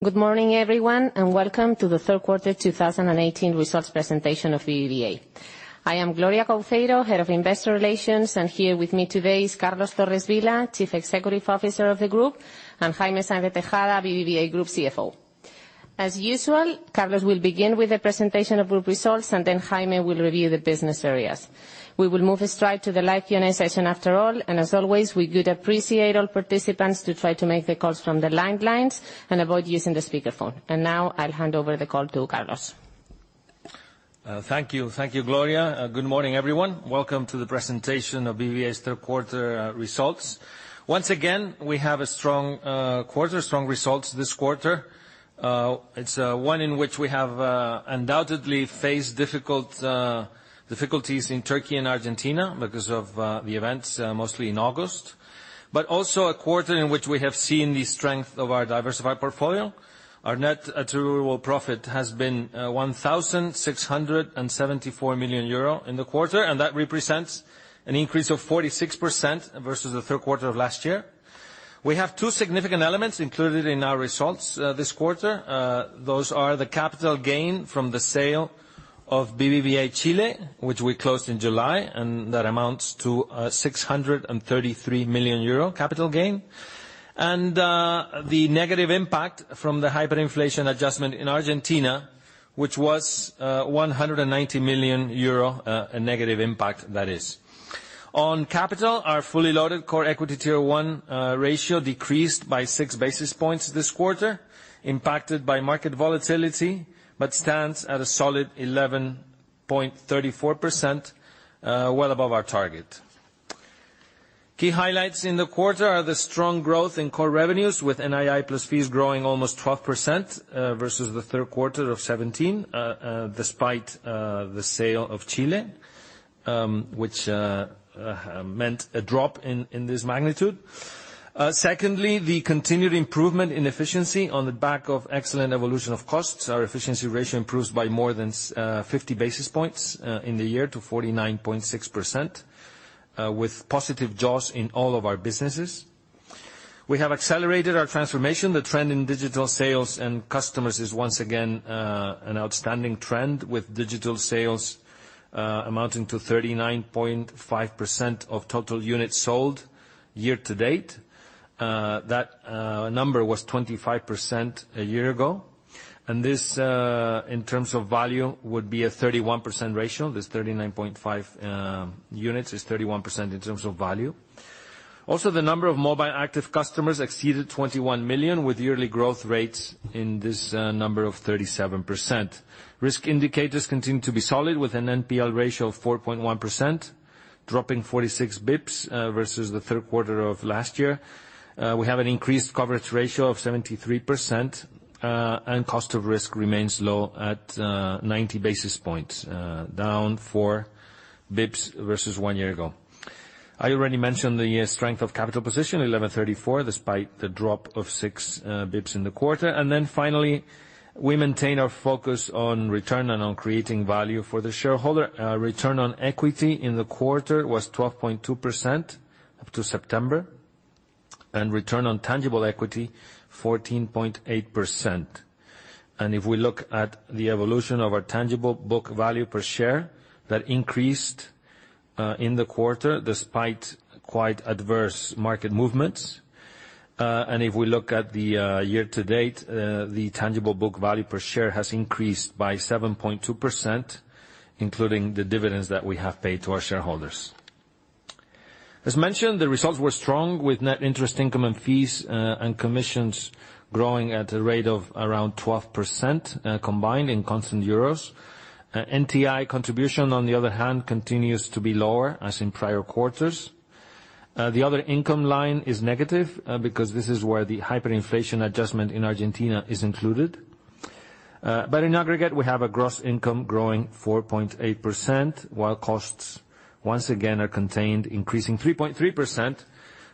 Good morning, everyone, and welcome to the third quarter 2018 results presentation of BBVA. I am Gloria Couceiro, Head of Investor Relations, and here with me today is Carlos Torres Vila, Chief Executive Officer of the group, and Jaime Sáenz de Tejada, BBVA Group CFO. As usual, Carlos will begin with the presentation of group results, and then Jaime will review the business areas. We will move straight to the live Q&A session after all, and as always, we would appreciate all participants to try to make the calls from the landlines and avoid using the speakerphone. Now, I'll hand over the call to Carlos. Thank you. Thank you, Gloria. Good morning, everyone. Welcome to the presentation of BBVA's third quarter results. Once again, we have a strong quarter, strong results this quarter. It's one in which we have undoubtedly faced difficulties in Turkey and Argentina because of the events, mostly in August. Also a quarter in which we have seen the strength of our diversified portfolio. Our net attributable profit has been EUR 1,674 million in the quarter, and that represents an increase of 46% versus the third quarter of last year. We have two significant elements included in our results this quarter. Those are the capital gain from the sale of BBVA Chile, which we closed in July, and that amounts to 633 million euro capital gain. The negative impact from the hyperinflation adjustment in Argentina, which was 190 million euro, a negative impact that is. On capital, our fully loaded Core Equity Tier 1 ratio decreased by six basis points this quarter, impacted by market volatility, but stands at a solid 11.34%, well above our target. Key highlights in the quarter are the strong growth in core revenues, with NII plus fees growing almost 12% versus the third quarter of 2017, despite the sale of Chile, which meant a drop in this magnitude. Secondly, the continued improvement in efficiency on the back of excellent evolution of costs. Our efficiency ratio improves by more than 50 basis points in the year to 49.6%, with positive jaws in all of our businesses. We have accelerated our transformation. The trend in digital sales and customers is once again an outstanding trend, with digital sales amounting to 39.5% of total units sold year to date. That number was 25% a year ago. This, in terms of value, would be a 31% ratio. This 39.5 units is 31% in terms of value. The number of mobile active customers exceeded 21 million, with yearly growth rates in this number of 37%. Risk indicators continue to be solid, with an NPL ratio of 4.1%, dropping 46 basis points versus the third quarter of last year. We have an increased coverage ratio of 73%, and cost of risk remains low at 90 basis points, down four basis points versus one year ago. I already mentioned the strength of capital position, 11.34%, despite the drop of six basis points in the quarter. Finally, we maintain our focus on return and on creating value for the shareholder. Return on equity in the quarter was 12.2% up to September, and return on tangible equity, 14.8%. If we look at the evolution of our tangible book value per share, that increased in the quarter despite quite adverse market movements. If we look at the year to date, the tangible book value per share has increased by 7.2%, including the dividends that we have paid to our shareholders. As mentioned, the results were strong, with net interest income and fees and commissions growing at a rate of around 12% combined in constant euros. NTI contribution, on the other hand, continues to be lower as in prior quarters. The other income line is negative because this is where the hyperinflation adjustment in Argentina is included. In aggregate, we have a gross income growing 4.8%, while costs, once again, are contained, increasing 3.3%,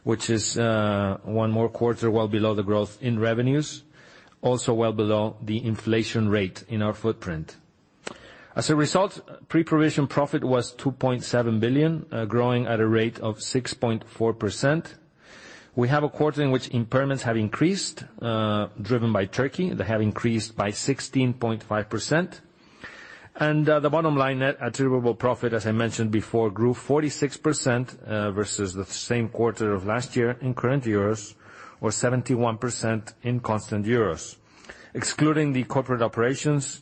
which is one more quarter, well below the growth in revenues, also well below the inflation rate in our footprint. As a result, pre-provision profit was 2.7 billion, growing at a rate of 6.4%. We have a quarter in which impairments have increased, driven by Turkey. They have increased by 16.5%. The bottom line, net attributable profit, as I mentioned before, grew 46% versus the same quarter of last year in current euros, or 71% in constant euros. Excluding the corporate operations,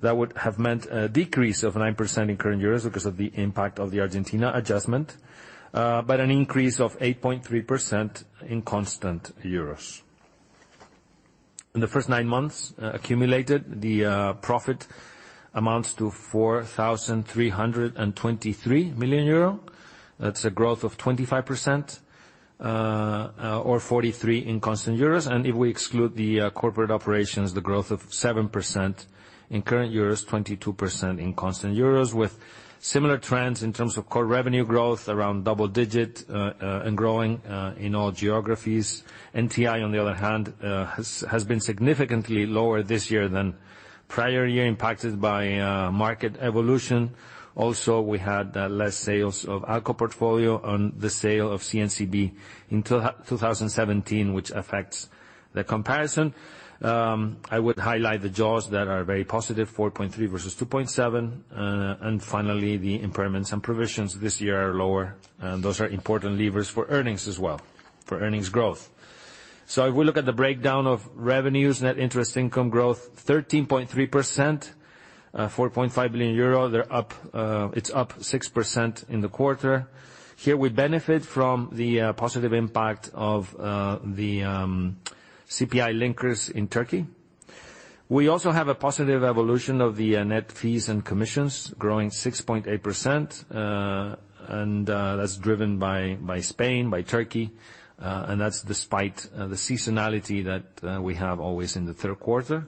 that would have meant a decrease of 9% in current euros because of the impact of the Argentina adjustment, but an increase of 8.3% in constant euros. In the first nine months accumulated, the profit amounts to 4,323 million euro. That's a growth of 25%, or 43% in constant euros. If we exclude the corporate operations, the growth of 7% in current euros, 22% in constant euros. Similar trends in terms of core revenue growth, around double digit, and growing in all geographies. NTI, on the other hand, has been significantly lower this year than prior year, impacted by market evolution. Also, we had less sales of ALCO portfolio on the sale of CNCB in 2017, which affects the comparison. I would highlight the jaws that are very positive, 4.3 versus 2.7. Finally, the impairments and provisions this year are lower. Those are important levers for earnings growth as well. If we look at the breakdown of revenues, net interest income growth 13.3%, 4.5 billion euro. It's up 6% in the quarter. Here we benefit from the positive impact of the CPI linkers in Turkey. We also have a positive evolution of the net fees and commissions growing 6.8%, that's driven by Spain, by Turkey. That's despite the seasonality that we have always in the third quarter.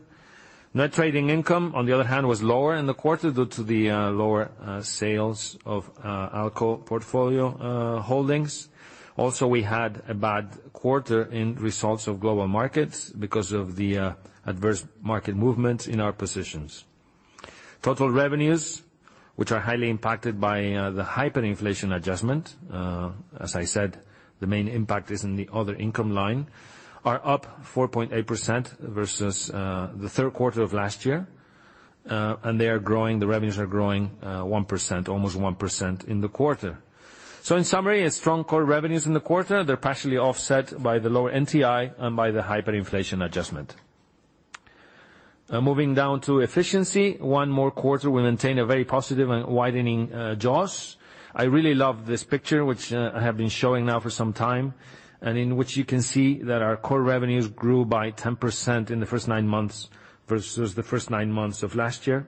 Net trading income, on the other hand, was lower in the quarter due to the lower sales of ALCO portfolio holdings. Also, we had a bad quarter in results of global markets because of the adverse market movement in our positions. Total revenues, which are highly impacted by the hyperinflation adjustment, as I said, the main impact is in the other income line, are up 4.8% versus the third quarter of last year. The revenues are growing almost 1% in the quarter. In summary, a strong core revenues in the quarter. They're partially offset by the lower NTI and by the hyperinflation adjustment. Moving down to efficiency, one more quarter, we maintain a very positive and widening jaws. I really love this picture, in which I have been showing now for some time, you can see that our core revenues grew by 10% in the first nine months versus the first nine months of last year.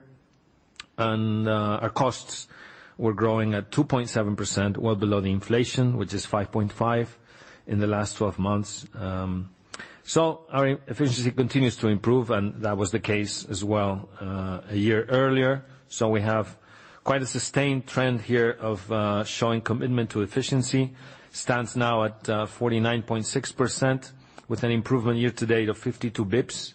Our costs were growing at 2.7%, well below the inflation, which is 5.5% in the last 12 months. Our efficiency continues to improve, and that was the case as well a year earlier. We have quite a sustained trend here of showing commitment to efficiency. Stands now at 49.6% with an improvement year to date of 52 basis points.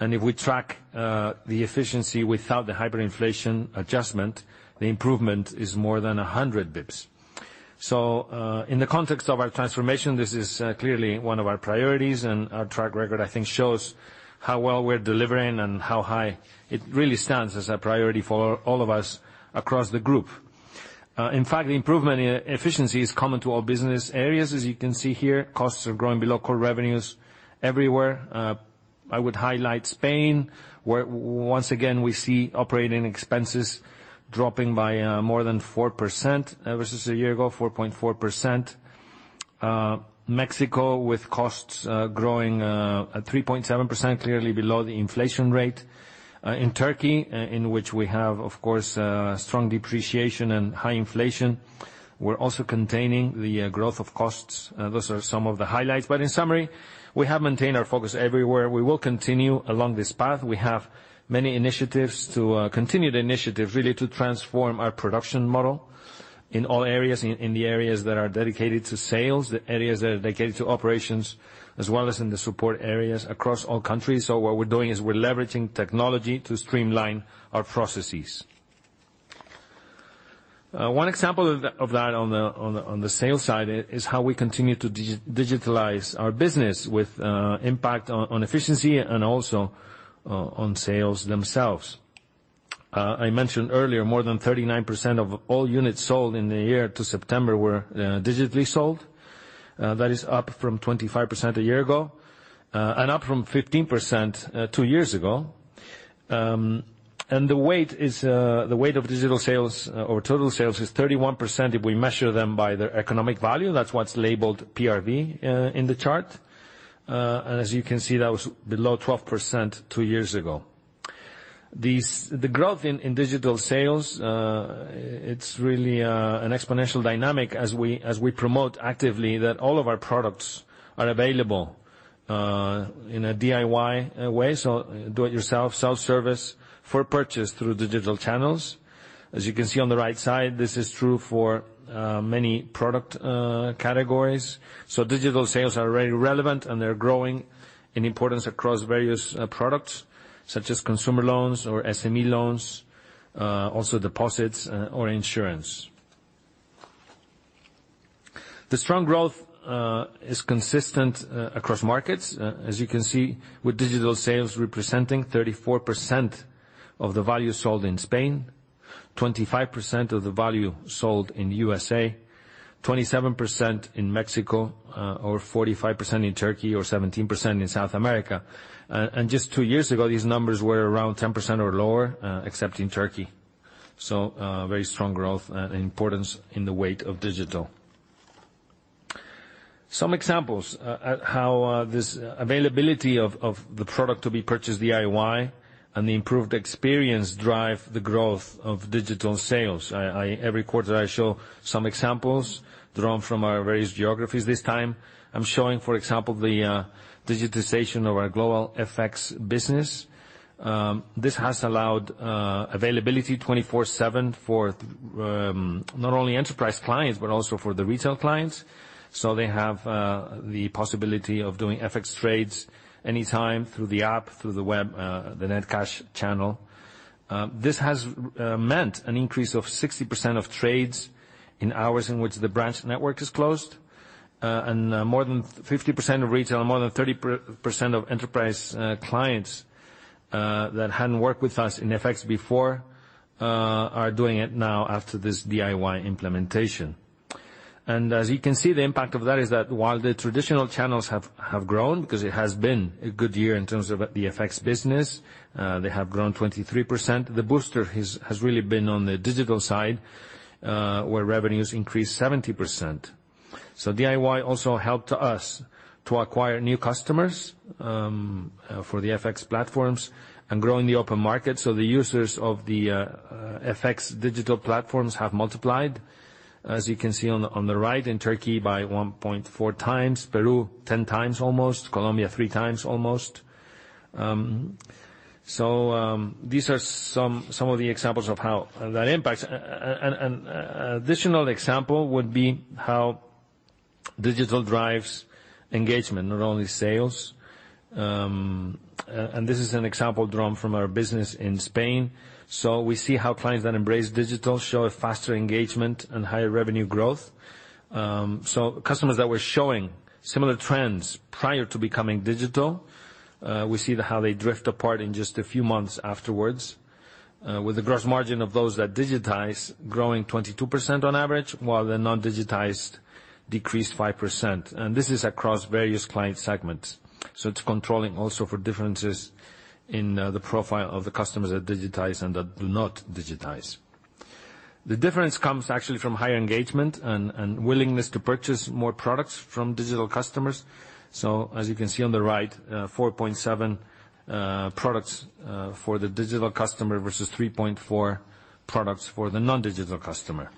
If we track the efficiency without the hyperinflation adjustment, the improvement is more than 100 basis points. In the context of our transformation, this is clearly one of our priorities, and our track record, I think, shows how well we're delivering and how high it really stands as a priority for all of us across the group. In fact, the improvement in efficiency is common to all business areas. As you can see here, costs are growing below core revenues everywhere. I would highlight Spain, where once again, we see operating expenses dropping by more than 4% versus a year ago, 4.4%. Mexico with costs growing at 3.7%, clearly below the inflation rate. In Turkey, in which we have, of course, strong depreciation and high inflation, we're also containing the growth of costs. Those are some of the highlights. In summary, we have maintained our focus everywhere. We will continue along this path. We have many initiatives to continue the initiative, really to transform our production model in all areas. In the areas that are dedicated to sales, the areas that are dedicated to operations, as well as in the support areas across all countries. What we're doing is we're leveraging technology to streamline our processes. One example of that on the sales side is how we continue to digitalize our business with impact on efficiency and also on sales themselves. I mentioned earlier, more than 39% of all units sold in the year to September were digitally sold. That is up from 25% a year ago, and up from 15% two years ago. The weight of digital sales or total sales is 31% if we measure them by their economic value. That's what's labeled PRV in the chart. As you can see, that was below 12% two years ago. The growth in digital sales, it's really an exponential dynamic as we promote actively that all of our products are available in a DIY way. Do it yourself, self-service for purchase through digital channels. As you can see on the right side, this is true for many product categories. Digital sales are very relevant, and they're growing in importance across various products, such as consumer loans or SME loans, also deposits or insurance. The strong growth is consistent across markets, as you can see with digital sales representing 34% of the value sold in Spain, 25% of the value sold in U.S.A., 27% in Mexico, or 45% in Turkey, or 17% in South America. Just two years ago, these numbers were around 10% or lower, except in Turkey. Very strong growth and importance in the weight of digital. Some examples at how this availability of the product to be purchased DIY and the improved experience drive the growth of digital sales. Every quarter, I'm showing some examples drawn from our various geographies. This time, I'm showing, for example, the digitization of our global FX business. This has allowed availability 24/7 for not only enterprise clients but also for the retail clients. They have the possibility of doing FX trades anytime through the app, through the web, the BBVA Net cash channel. This has meant an increase of 60% of trades in hours in which the branch network is closed, and more than 50% of retail, more than 30% of enterprise clients that hadn't worked with us in FX before are doing it now after this DIY implementation. As you can see, the impact of that is that while the traditional channels have grown, because it has been a good year in terms of the FX business, they have grown 23%. The booster has really been on the digital side, where revenues increased 70%. DIY also helped us to acquire new customers for the FX platforms and grow in the open market. The users of the FX digital platforms have multiplied. As you can see on the right, in Turkey by 1.4 times, Peru, 10 times almost, Colombia, three times almost. These are some of the examples of how that impacts. Additional example would be how digital drives engagement, not only sales. This is an example drawn from our business in Spain. We see how clients that embrace digital show a faster engagement and higher revenue growth. Customers that were showing similar trends prior to becoming digital, we see how they drift apart in just a few months afterwards, with the gross margin of those that digitize growing 22% on average, while the non-digitized decreased 5%. This is across various client segments. It's controlling also for differences in the profile of the customers that digitize and that do not digitize. The difference comes actually from higher engagement and willingness to purchase more products from digital customers. As you can see on the right, 4.7 products for the digital customer versus 3.4 products for the non-digital customer.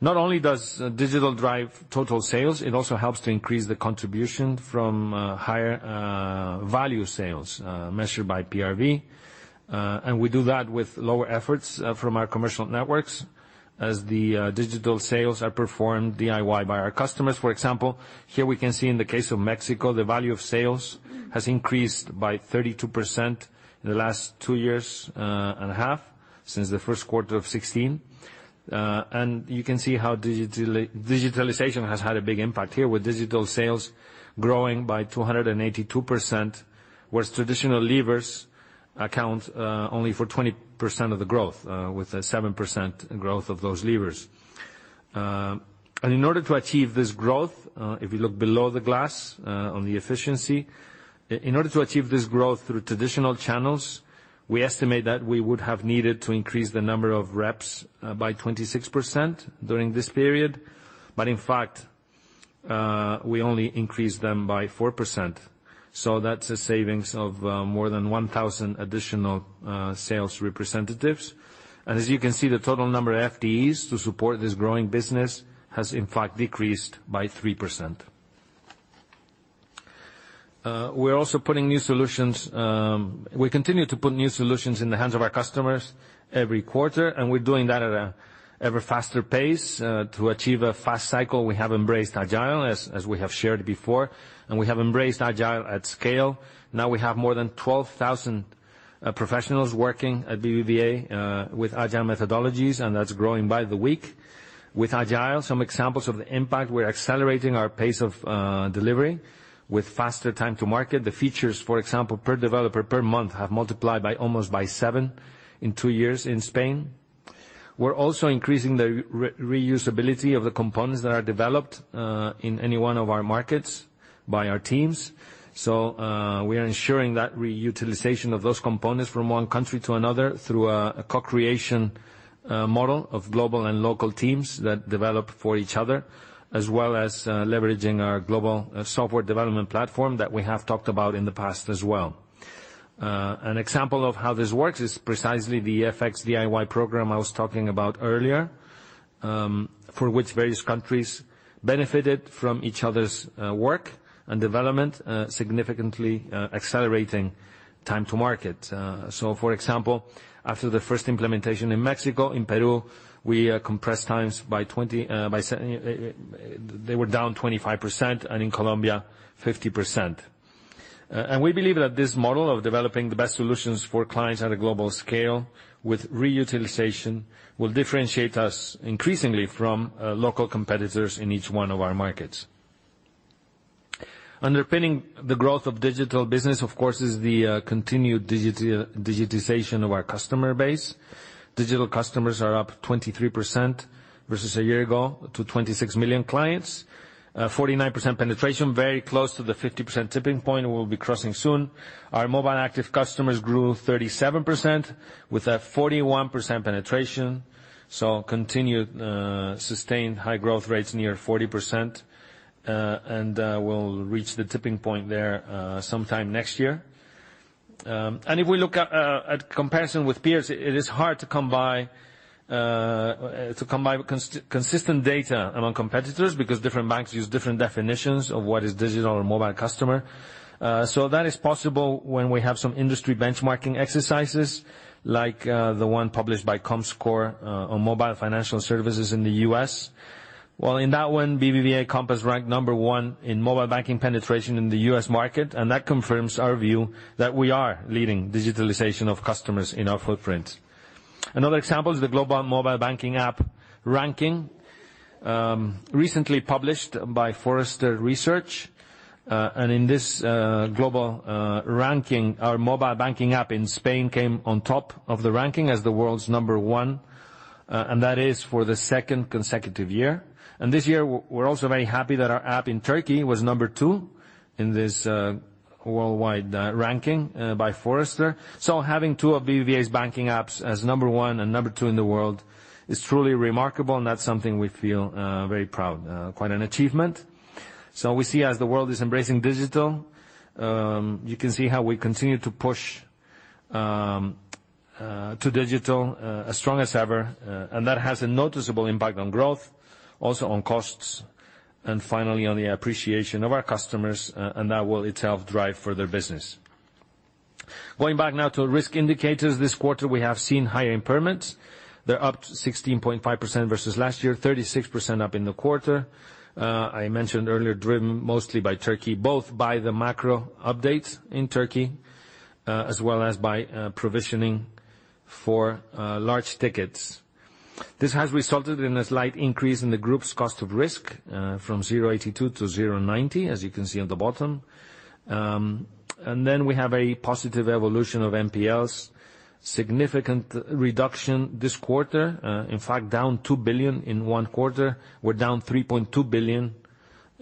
Not only does digital drive total sales, it also helps to increase the contribution from higher value sales measured by PRV. We do that with lower efforts from our commercial networks as the digital sales are performed DIY by our customers. For example, here we can see in the case of Mexico, the value of sales has increased by 32% in the last two years and a half since the first quarter of 2016. You can see how digitalization has had a big impact here with digital sales growing by 282%, whereas traditional levers account only for 20% of the growth, with a 7% growth of those levers. In order to achieve this growth, if you look below the glass on the efficiency, in order to achieve this growth through traditional channels, we estimate that we would have needed to increase the number of reps by 26% during this period. In fact, we only increased them by 4%. That's a savings of more than 1,000 additional sales representatives. As you can see, the total number of FTEs to support this growing business has in fact decreased by 3%. We continue to put new solutions in the hands of our customers every quarter, and we are doing that at an ever faster pace. To achieve a fast cycle, we have embraced Agile, as we have shared before, and we have embraced Agile at scale. Now we have more than 12,000 professionals working at BBVA with Agile methodologies, and that is growing by the week. With Agile, some examples of the impact, we are accelerating our pace of delivery with faster time to market. The features, for example, per developer per month, have multiplied by almost seven in 2 years in Spain. We are also increasing the reusability of the components that are developed in any one of our markets by our teams. We are ensuring that reutilization of those components from one country to another through a co-creation model of global and local teams that develop for each other, as well as leveraging our global software development platform that we have talked about in the past as well. An example of how this works is precisely the FX DIY program I was talking about earlier, for which various countries benefited from each other's work and development, significantly accelerating time to market. For example, after the first implementation in Mexico, in Peru, we compressed times by. They were down 25%, and in Colombia, 50%. We believe that this model of developing the best solutions for clients at a global scale with reutilization will differentiate us increasingly from local competitors in each one of our markets. Underpinning the growth of digital business, of course, is the continued digitization of our customer base. Digital customers are up 23% versus a year ago to 26 million clients. 49% penetration, very close to the 50% tipping point, and we will be crossing soon. Our mobile active customers grew 37% with a 41% penetration. So continued sustained high growth rates near 40%, and we will reach the tipping point there sometime next year. If we look at comparison with peers, it is hard to combine consistent data among competitors, because different banks use different definitions of what is digital or mobile customer. That is possible when we have some industry benchmarking exercises, like the one published by Comscore on mobile financial services in the U.S. In that one, BBVA Compass ranked number one in mobile banking penetration in the U.S. market, and that confirms our view that we are leading digitalization of customers in our footprint. Another example is the global mobile banking app ranking, recently published by Forrester Research, and in this global ranking, our mobile banking app in Spain came on top of the ranking as the world's number one, and that is for the second consecutive year. This year, we are also very happy that our app in Turkey was number two in this worldwide ranking by Forrester. Having two of BBVA's banking apps as number one and number two in the world is truly remarkable, and that is something we feel very proud. Quite an achievement. We see as the world is embracing digital, you can see how we continue to push to digital as strong as ever. That has a noticeable impact on growth, also on costs, and finally, on the appreciation of our customers, and that will itself drive further business. Going back now to risk indicators. This quarter, we have seen higher impairments. They are up to 16.5% versus last year, 36% up in the quarter. I mentioned earlier, driven mostly by Turkey, both by the macro updates in Turkey, as well as by provisioning for large tickets. This has resulted in a slight increase in the group's cost of risk, from 0.82 to 0.90, as you can see on the bottom. Then we have a positive evolution of NPLs. Significant reduction this quarter. In fact, down 2 billion in one quarter. We are down 3.2 billion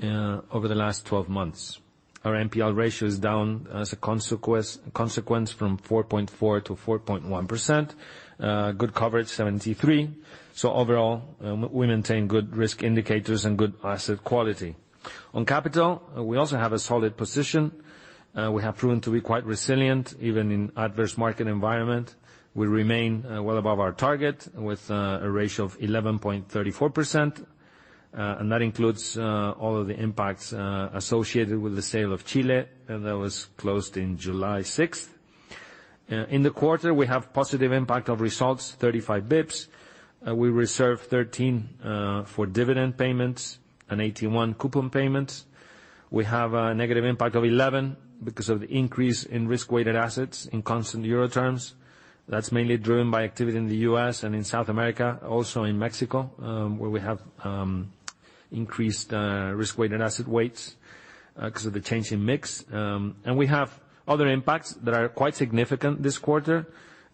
over the last 12 months. Our NPL ratio is down as a consequence from 4.4% to 4.1%. Good coverage, 73%. Overall, we maintain good risk indicators and good asset quality. On capital, we also have a solid position. We have proven to be quite resilient, even in adverse market environment. We remain well above our target, with a ratio of 11.34%, and that includes all of the impacts associated with the sale of Chile that was closed in July 6th. In the quarter, we have positive impact of results, 35 basis points. We reserved 13 basis points for dividend payments and 81 coupon payments. We have a negative impact of 11 basis points because of the increase in risk-weighted assets in constant EUR terms. That is mainly driven by activity in the U.S. and in South America, also in Mexico, where we have increased risk-weighted asset weights because of the change in mix. We have other impacts that are quite significant this quarter,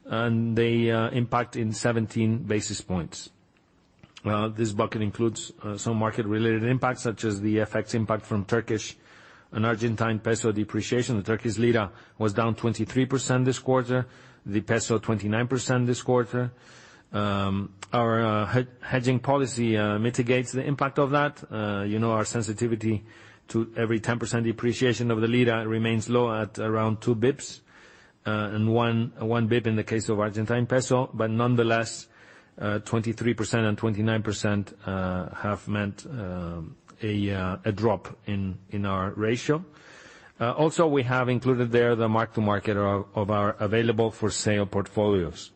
and they impact in 17 basis points. This bucket includes some market-related impacts, such as the FX impact from Turkish and Argentine peso depreciation. The Turkish lira was down 23% this quarter, the peso 29% this quarter. Our hedging policy mitigates the impact of that. You know our sensitivity to every 10% depreciation of the lira remains low at around 2 basis points, and 1 basis point in the case of Argentine peso. But nonetheless, 23% and 29% have meant a drop in our ratio. Also, we have included there the mark-to-market of our available-for-sale portfolios.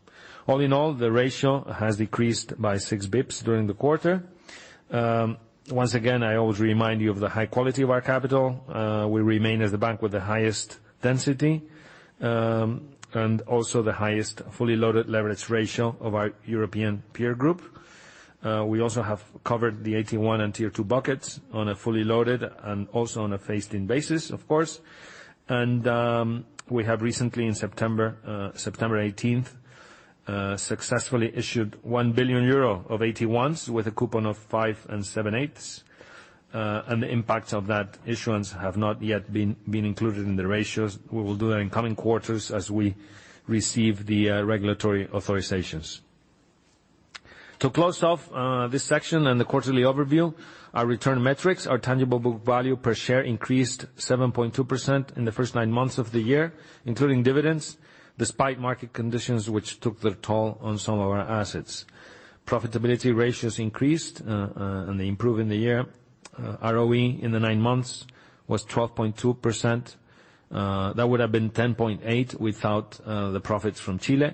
All in all, the ratio has decreased by 6 basis points during the quarter. Once again, I always remind you of the high quality of our capital. We remain as the bank with the highest density, and also the highest fully loaded leverage ratio of our European peer group. We also have covered the AT1 and Tier 2 buckets on a fully loaded and also on a phased-in basis, of course. We have recently, in September 18th, successfully issued 1 billion euro of AT1s with a coupon of 5 and seven-eighths. The impact of that issuance have not yet been included in the ratios. We will do that in coming quarters as we receive the regulatory authorizations. To close off this section and the quarterly overview, our return metrics, our tangible book value per share increased 7.2% in the first nine months of the year, including dividends, despite market conditions, which took their toll on some of our assets. Profitability ratios increased and they improve in the year. ROE in the nine months was 12.2%. That would have been 10.8% without the profits from Chile.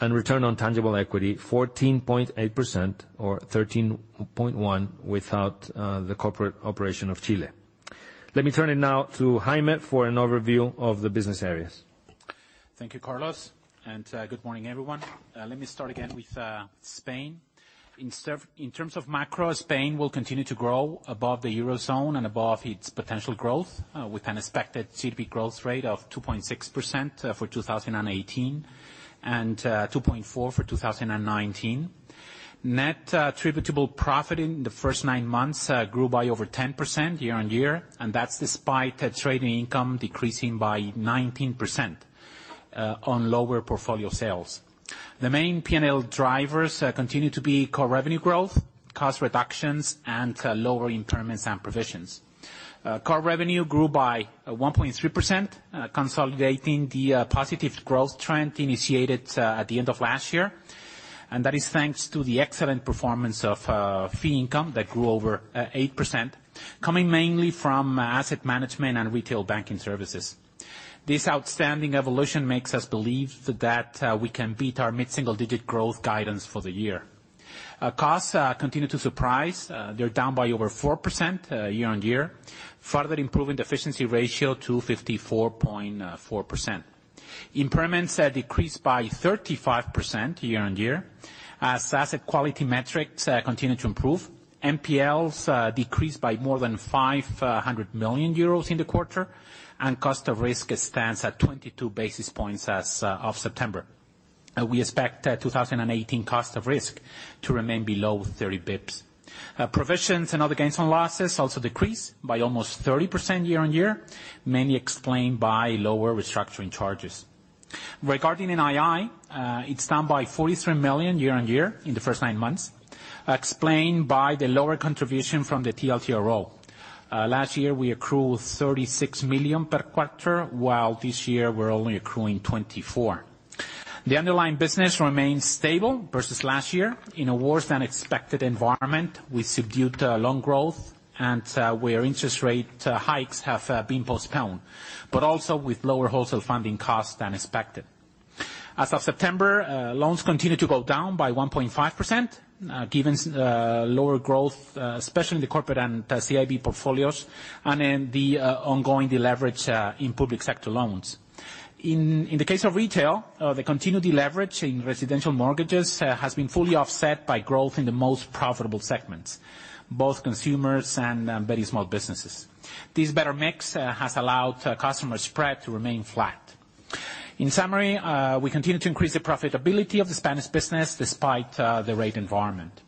Return on tangible equity, 14.8%, or 13.1% without the corporate operation of BBVA Chile. Let me turn it now to Jaime for an overview of the business areas. Thank you, Carlos. Good morning, everyone. Let me start again with Spain. In terms of macro, Spain will continue to grow above the eurozone and above its potential growth, with an expected GDP growth rate of 2.6% for 2018 and 2.4% for 2019. Net attributable profit in the first nine months grew by over 10% year-on-year, that's despite trading income decreasing by 19% on lower portfolio sales. The main P&L drivers continue to be core revenue growth, cost reductions, and lower impairments and provisions. Core revenue grew by 1.3%, consolidating the positive growth trend initiated at the end of last year. That is thanks to the excellent performance of fee income that grew over 8%, coming mainly from asset management and retail banking services. This outstanding evolution makes us believe that we can beat our mid-single-digit growth guidance for the year. Costs continue to surprise. They're down by over 4% year-on-year, further improving the efficiency ratio to 54.4%. Impairments decreased by 35% year-on-year, as asset quality metrics continue to improve. NPLs decreased by more than 500 million euros in the quarter, cost of risk stands at 22 basis points as of September. We expect 2018 cost of risk to remain below 30 basis points. Provisions and other gains on losses also decreased by almost 30% year-on-year, mainly explained by lower restructuring charges. Regarding NII, it's down by 43 million year-on-year in the first nine months, explained by the lower contribution from the TLTRO. Last year we accrued 36 million per quarter, while this year we're only accruing 24 million. The underlying business remains stable versus last year in a worse-than-expected environment with subdued loan growth and where interest rate hikes have been postponed, but also with lower wholesale funding costs than expected. As of September, loans continue to go down by 1.5%, given lower growth, especially in the corporate and CIB portfolios, and in the ongoing deleverage in public sector loans. In the case of retail, the continued deleverage in residential mortgages has been fully offset by growth in the most profitable segments, both consumers and very small businesses. This better mix has allowed customer spread to remain flat. In summary, we continue to increase the profitability of the Spanish business despite the rate environment.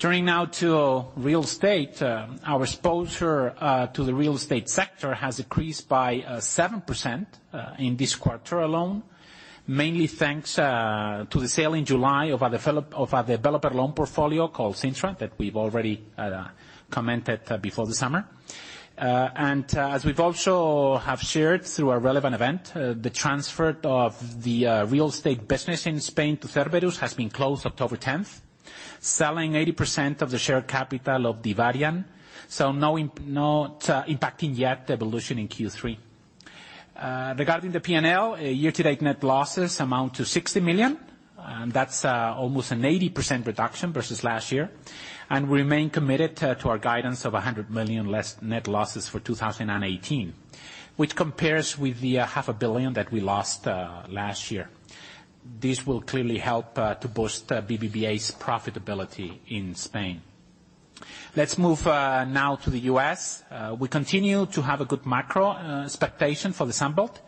Turning now to real estate. Our exposure to the real estate sector has decreased by 7% in this quarter alone, mainly thanks to the sale in July of a developer loan portfolio called Sintra that we've already commented before the summer. As we've also shared through a relevant event, the transfer of the real estate business in Spain to Cerberus has been closed October 10, selling 80% of the share capital of Divarian, so not impacting yet the evolution in Q3. Regarding the P&L, year-to-date net losses amount to 60 million. That's almost an 80% reduction versus last year, and we remain committed to our guidance of 100 million less net losses for 2018, which compares with the half a billion EUR that we lost last year. This will clearly help to boost BBVA's profitability in Spain. Let's move now to the U.S. We continue to have a good macro expectation for the Sunbelt.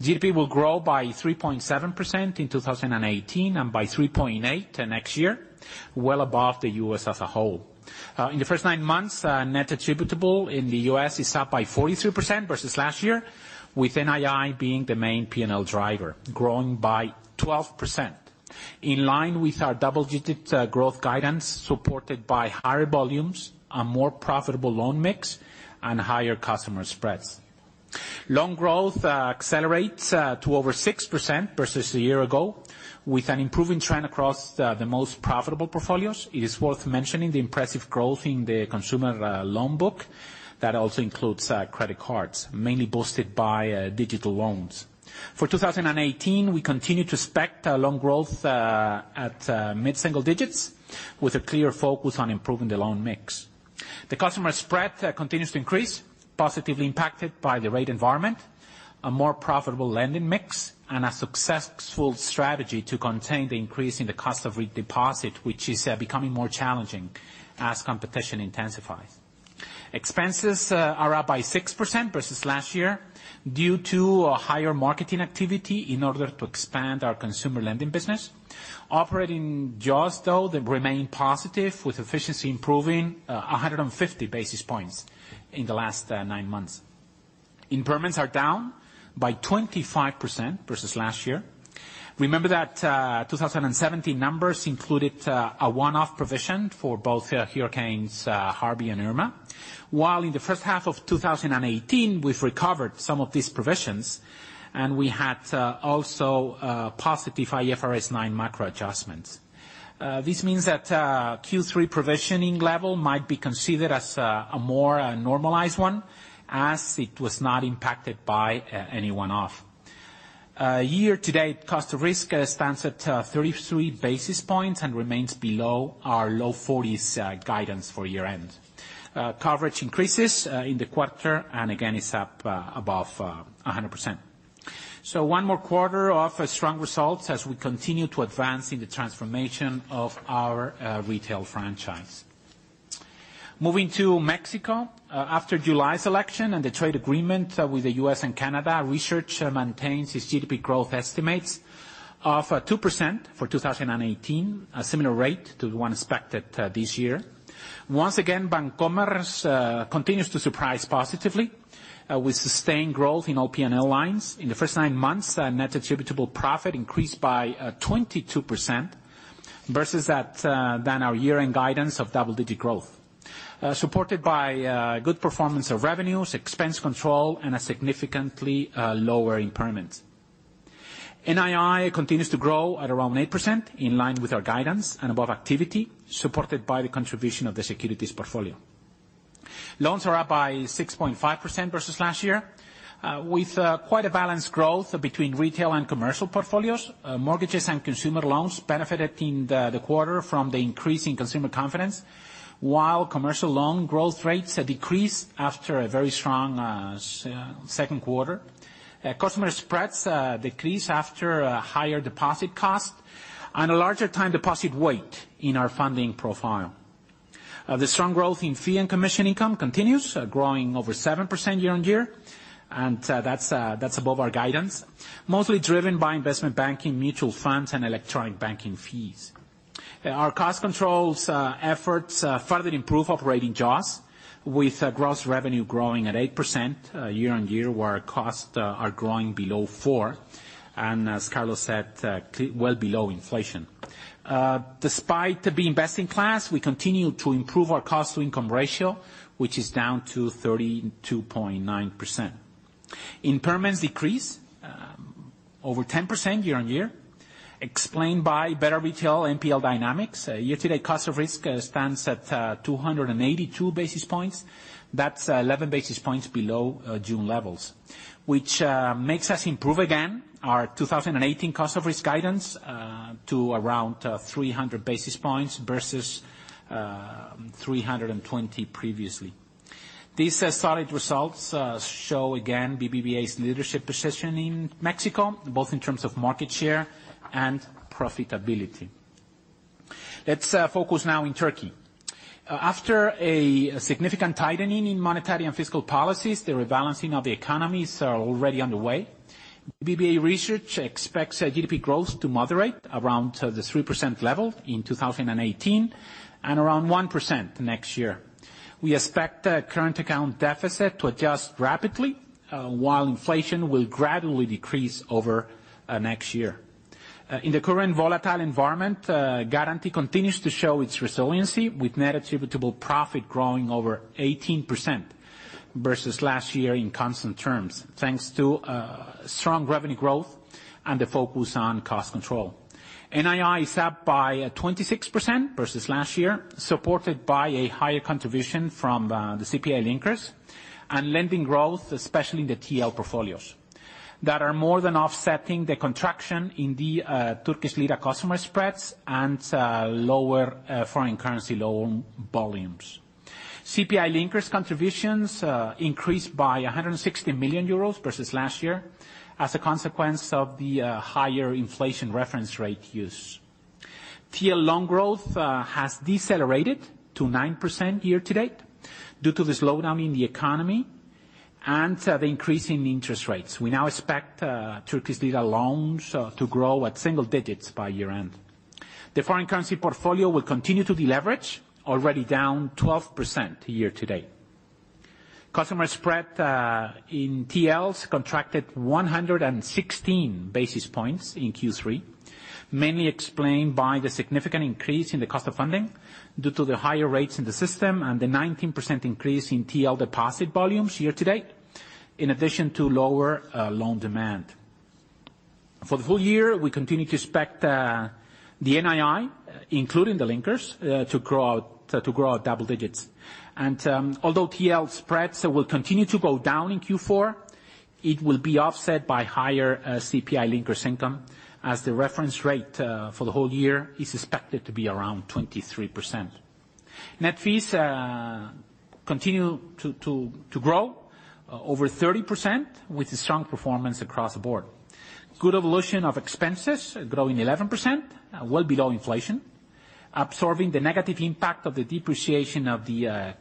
GDP will grow by 3.7% in 2018 and by 3.8% next year, well above the U.S. as a whole. In the first nine months, net attributable in the U.S. is up by 43% versus last year, with NII being the main P&L driver, growing by 12%, in line with our double-digit growth guidance, supported by higher volumes, a more profitable loan mix, and higher customer spreads. Loan growth accelerates to over 6% versus a year ago, with an improving trend across the most profitable portfolios. It is worth mentioning the impressive growth in the consumer loan book that also includes credit cards, mainly boosted by digital loans. For 2018, we continue to expect loan growth at mid-single digits with a clear focus on improving the loan mix. The customer spread continues to increase, positively impacted by the rate environment, a more profitable lending mix, and a successful strategy to contain the increase in the cost of redeposit, which is becoming more challenging as competition intensifies. Expenses are up by 6% versus last year due to a higher marketing activity in order to expand our consumer lending business. Operating jaws, though, they remain positive, with efficiency improving 150 basis points in the last nine months. Impairments are down by 25% versus last year. Remember that 2017 numbers included a one-off provision for both hurricanes Harvey and Irma. While in the first half of 2018, we've recovered some of these provisions, and we had also positive IFRS 9 macro adjustments. This means that Q3 provisioning level might be considered as a more normalized one, as it was not impacted by any one-off. Year to date, cost of risk stands at 33 basis points and remains below our low 40s guidance for year end. Again, is up above 100%. One more quarter of strong results as we continue to advance in the transformation of our retail franchise. Moving to Mexico. After July's election and the trade agreement with the U.S. and Canada, our research maintains its GDP growth estimates of 2% for 2018, a similar rate to the one expected this year. Once again, Bancomer continues to surprise positively with sustained growth in all P&L lines. In the first nine months, net attributable profit increased by 22% versus our year-end guidance of double-digit growth. Supported by good performance of revenues, expense control, and significantly lower impairments. NII continues to grow at around 8%, in line with our guidance and above activity, supported by the contribution of the securities portfolio. Loans are up by 6.5% versus last year, with quite a balanced growth between retail and commercial portfolios. Mortgages and consumer loans benefited in the quarter from the increase in consumer confidence, while commercial loan growth rates decreased after a very strong second quarter. Customer spreads decreased after higher deposit costs and a larger time deposit weight in our funding profile. The strong growth in fee and commission income continues, growing over 7% year-on-year. That is above our guidance, mostly driven by investment banking, mutual funds, and electronic banking fees. Our cost control efforts further improve operating costs, with gross revenue growing at 8% year-on-year, where costs are growing below 4%, and as Carlos said, well below inflation. Despite the best-in-class, we continue to improve our cost-to-income ratio, which is down to 32.9%. Impairments decreased over 10% year-on-year, explained by better retail NPL dynamics. Year-to-date cost of risk stands at 282 basis points. That is 11 basis points below June levels, which makes us improve again our 2018 cost of risk guidance to around 300 basis points versus 320 previously. These solid results show again BBVA's leadership position in Mexico, both in terms of market share and profitability. Let's focus now in Turkey. After a significant tightening in monetary and fiscal policies, the rebalancing of the economy is already underway. BBVA Research expects GDP growth to moderate around the 3% level in 2018 and around 1% next year. We expect current account deficit to adjust rapidly, while inflation will gradually decrease over next year. In the current volatile environment, Garanti continues to show its resiliency, with net attributable profit growing over 18% versus last year in constant terms, thanks to strong revenue growth and the focus on cost control. NII is up by 26% versus last year, supported by a higher contribution from the CPI linkers and lending growth, especially in the TL portfolios, that are more than offsetting the contraction in the Turkish lira customer spreads and lower foreign currency loan volumes. CPI linkers contributions increased by 160 million euros versus last year as a consequence of the higher inflation reference rate use. TL loan growth has decelerated to 9% year-to-date due to the slowdown in the economy and the increase in interest rates. We now expect Turkish lira loans to grow at single digits by year-end. The foreign currency portfolio will continue to deleverage, already down 12% year-to-date. Customer spread in TLs contracted 116 basis points in Q3, mainly explained by the significant increase in the cost of funding due to the higher rates in the system and the 19% increase in TL deposit volumes year-to-date, in addition to lower loan demand. For the full year, we continue to expect the NII, including the linkers, to grow at double digits. Although TL spreads will continue to go down in Q4, it will be offset by higher CPI linkers income, as the reference rate for the whole year is expected to be around 23%. Net fees continue to grow over 30% with a strong performance across the board. Good evolution of expenses, growing 11%, well below inflation, absorbing the negative impact of the depreciation of the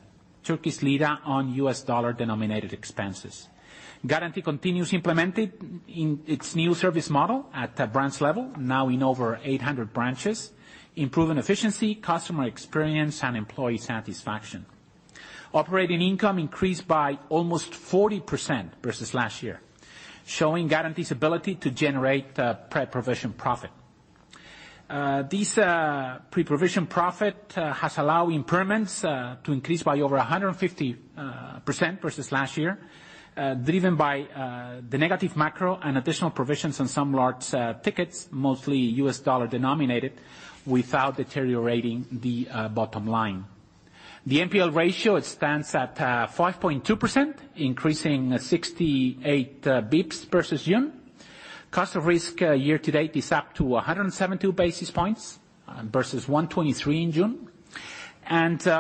Turkish lira on US dollar-denominated expenses. Garanti continues implementing its new service model at the branch level, now in over 800 branches, improving efficiency, customer experience, and employee satisfaction. Operating income increased by almost 40% versus last year, showing Garanti's ability to generate pre-provision profit. This pre-provision profit has allowed impairments to increase by over 150% versus last year, driven by the negative macro and additional provisions on some large tickets, mostly US dollar-denominated, without deteriorating the bottom line. The NPL ratio stands at 5.2%, increasing 68 basis points versus June. Cost of risk year to date is up to 172 basis points versus 123 in June.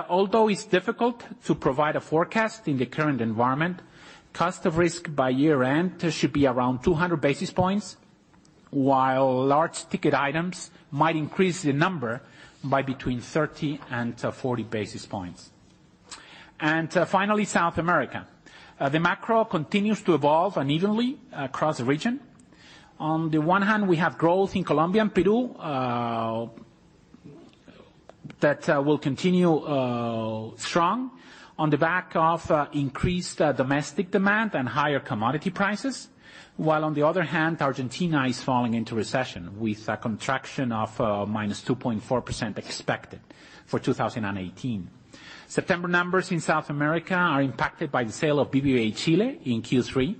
Although it's difficult to provide a forecast in the current environment, cost of risk by year-end should be around 200 basis points, while large ticket items might increase the number by between 30 and 40 basis points. Finally, South America. The macro continues to evolve unevenly across the region. On the one hand, we have growth in Colombia and Peru that will continue strong on the back of increased domestic demand and higher commodity prices. While on the other hand, Argentina is falling into recession with a contraction of -2.4% expected for 2018. September numbers in South America are impacted by the sale of BBVA Chile in Q3.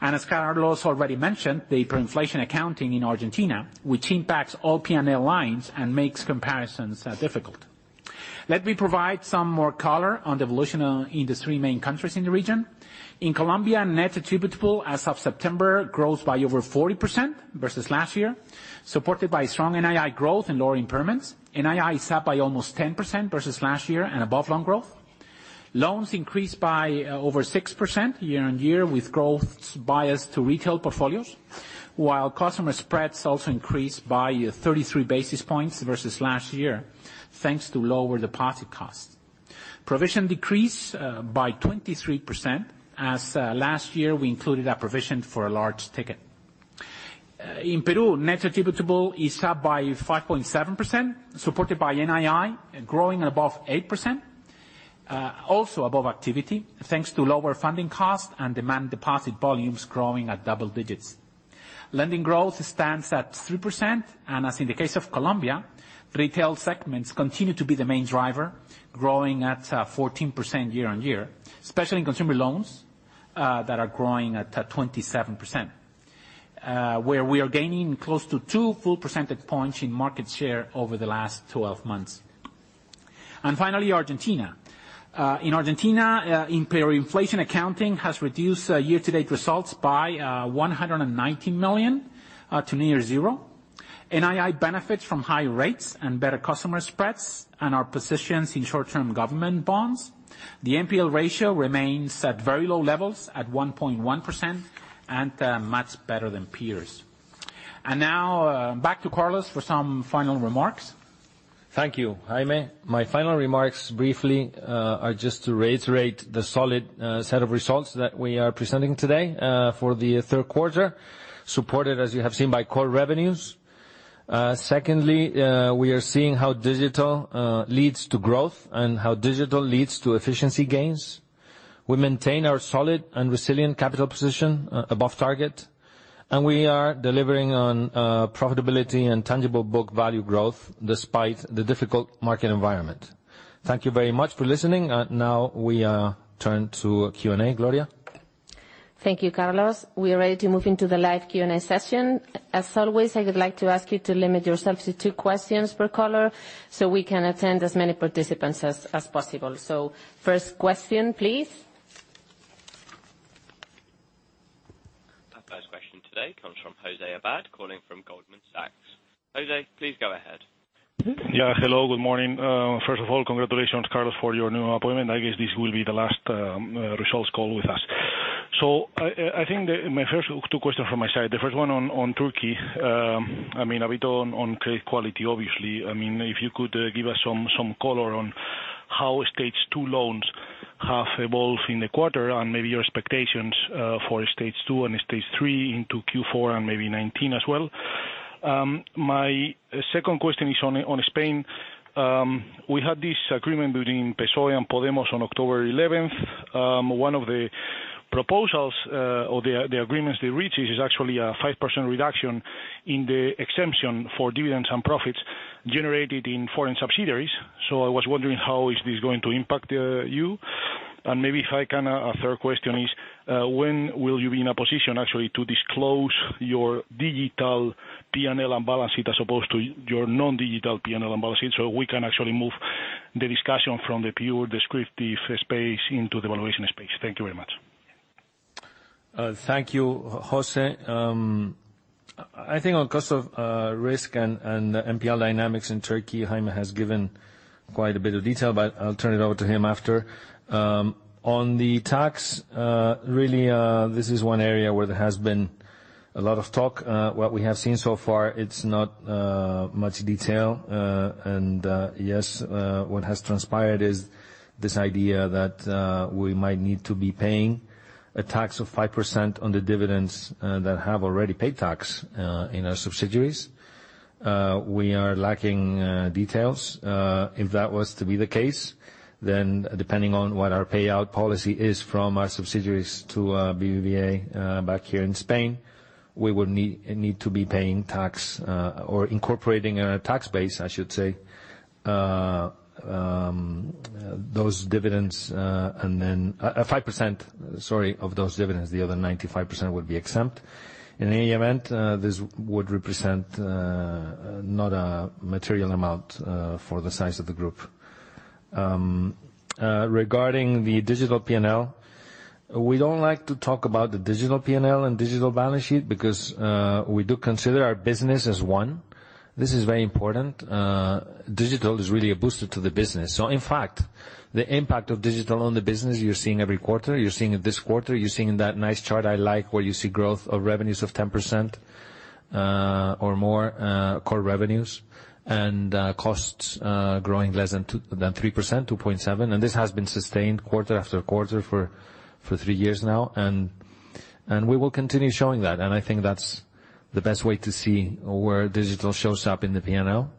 As Carlos already mentioned, the hyperinflation accounting in Argentina, which impacts all P&L lines and makes comparisons difficult. Let me provide some more color on the evolution in the three main countries in the region. In Colombia, net attributable as of September grows by over 40% versus last year, supported by strong NII growth and lower impairments. NII is up by almost 10% versus last year and above loan growth. Loans increased by over 6% year-on-year, with growth biased to retail portfolios, while customer spreads also increased by 33 basis points versus last year, thanks to lower deposit costs. Provision decreased by 23%, as last year we included a provision for a large ticket. In Peru, net attributable is up by 5.7%, supported by NII growing above 8%, also above activity, thanks to lower funding costs and demand deposit volumes growing at double digits. Lending growth stands at 3%, as in the case of Colombia, retail segments continue to be the main driver, growing at 14% year-on-year, especially in consumer loans, that are growing at 27%, where we are gaining close to two full percentage points in market share over the last 12 months. Finally, Argentina. In Argentina, hyperinflation accounting has reduced year-to-date results by 190 million to near zero. NII benefits from high rates and better customer spreads and our positions in short-term government bonds. The NPL ratio remains at very low levels at 1.1% and much better than peers. Now back to Carlos for some final remarks. Thank you, Jaime. My final remarks briefly are just to reiterate the solid set of results that we are presenting today for the third quarter, supported, as you have seen, by core revenues. Secondly, we are seeing how digital leads to growth and how digital leads to efficiency gains. We maintain our solid and resilient capital position above target, and we are delivering on profitability and tangible book value growth despite the difficult market environment. Thank you very much for listening. Now we turn to Q&A. Gloria? Thank you, Carlos. We are ready to move into the live Q&A session. As always, I would like to ask you to limit yourselves to two questions per caller, so we can attend as many participants as possible. First question please. Our first question today comes from José Abad, calling from Goldman Sachs. José, please go ahead. Hello, good morning. First of all, congratulations, Carlos, for your new appointment. I guess this will be the last results call with us. I think my first two questions from my side, the first one on Turkey. A bit on credit quality, obviously. If you could give us some color on how Stage 2 loans have evolved in the quarter and maybe your expectations for Stage 2 and Stage 3 into Q4 and maybe 2019 as well. My second question is on Spain. We had this agreement between PSOE and Podemos on October 11th. One of the proposals or the agreements they reached is actually a 5% reduction in the exemption for dividends and profits generated in foreign subsidiaries. I was wondering how is this going to impact you? Maybe if I can, a third question is, when will you be in a position actually to disclose your digital P&L and balance sheet as opposed to your non-digital P&L and balance sheet so we can actually move the discussion from the pure descriptive space into the valuation space? Thank you very much. Thank you, José. I think on cost of risk and NPL dynamics in Turkey, Jaime has given quite a bit of detail, but I'll turn it over to him after. On the tax, really, this is one area where there has been a lot of talk. What we have seen so far, it's not much detail. Yes, what has transpired is this idea that we might need to be paying a tax of 5% on the dividends that have already paid tax in our subsidiaries. We are lacking details. If that was to be the case, then depending on what our payout policy is from our subsidiaries to BBVA back here in Spain, we would need to be paying tax or incorporating a tax base, I should say, those dividends, and then a 5%, sorry, of those dividends, the other 95% would be exempt. In any event, this would represent not a material amount for the size of the group. Regarding the digital P&L, we don't like to talk about the digital P&L and digital balance sheet because we do consider our business as one. This is very important. Digital is really a booster to the business. In fact, the impact of digital on the business, you're seeing every quarter, you're seeing it this quarter, you're seeing in that nice chart I like, where you see growth of revenues of 10% or more core revenues and costs growing less than 3%, 2.7%. We will continue showing that, and I think that's the best way to see where digital shows up in the P&L.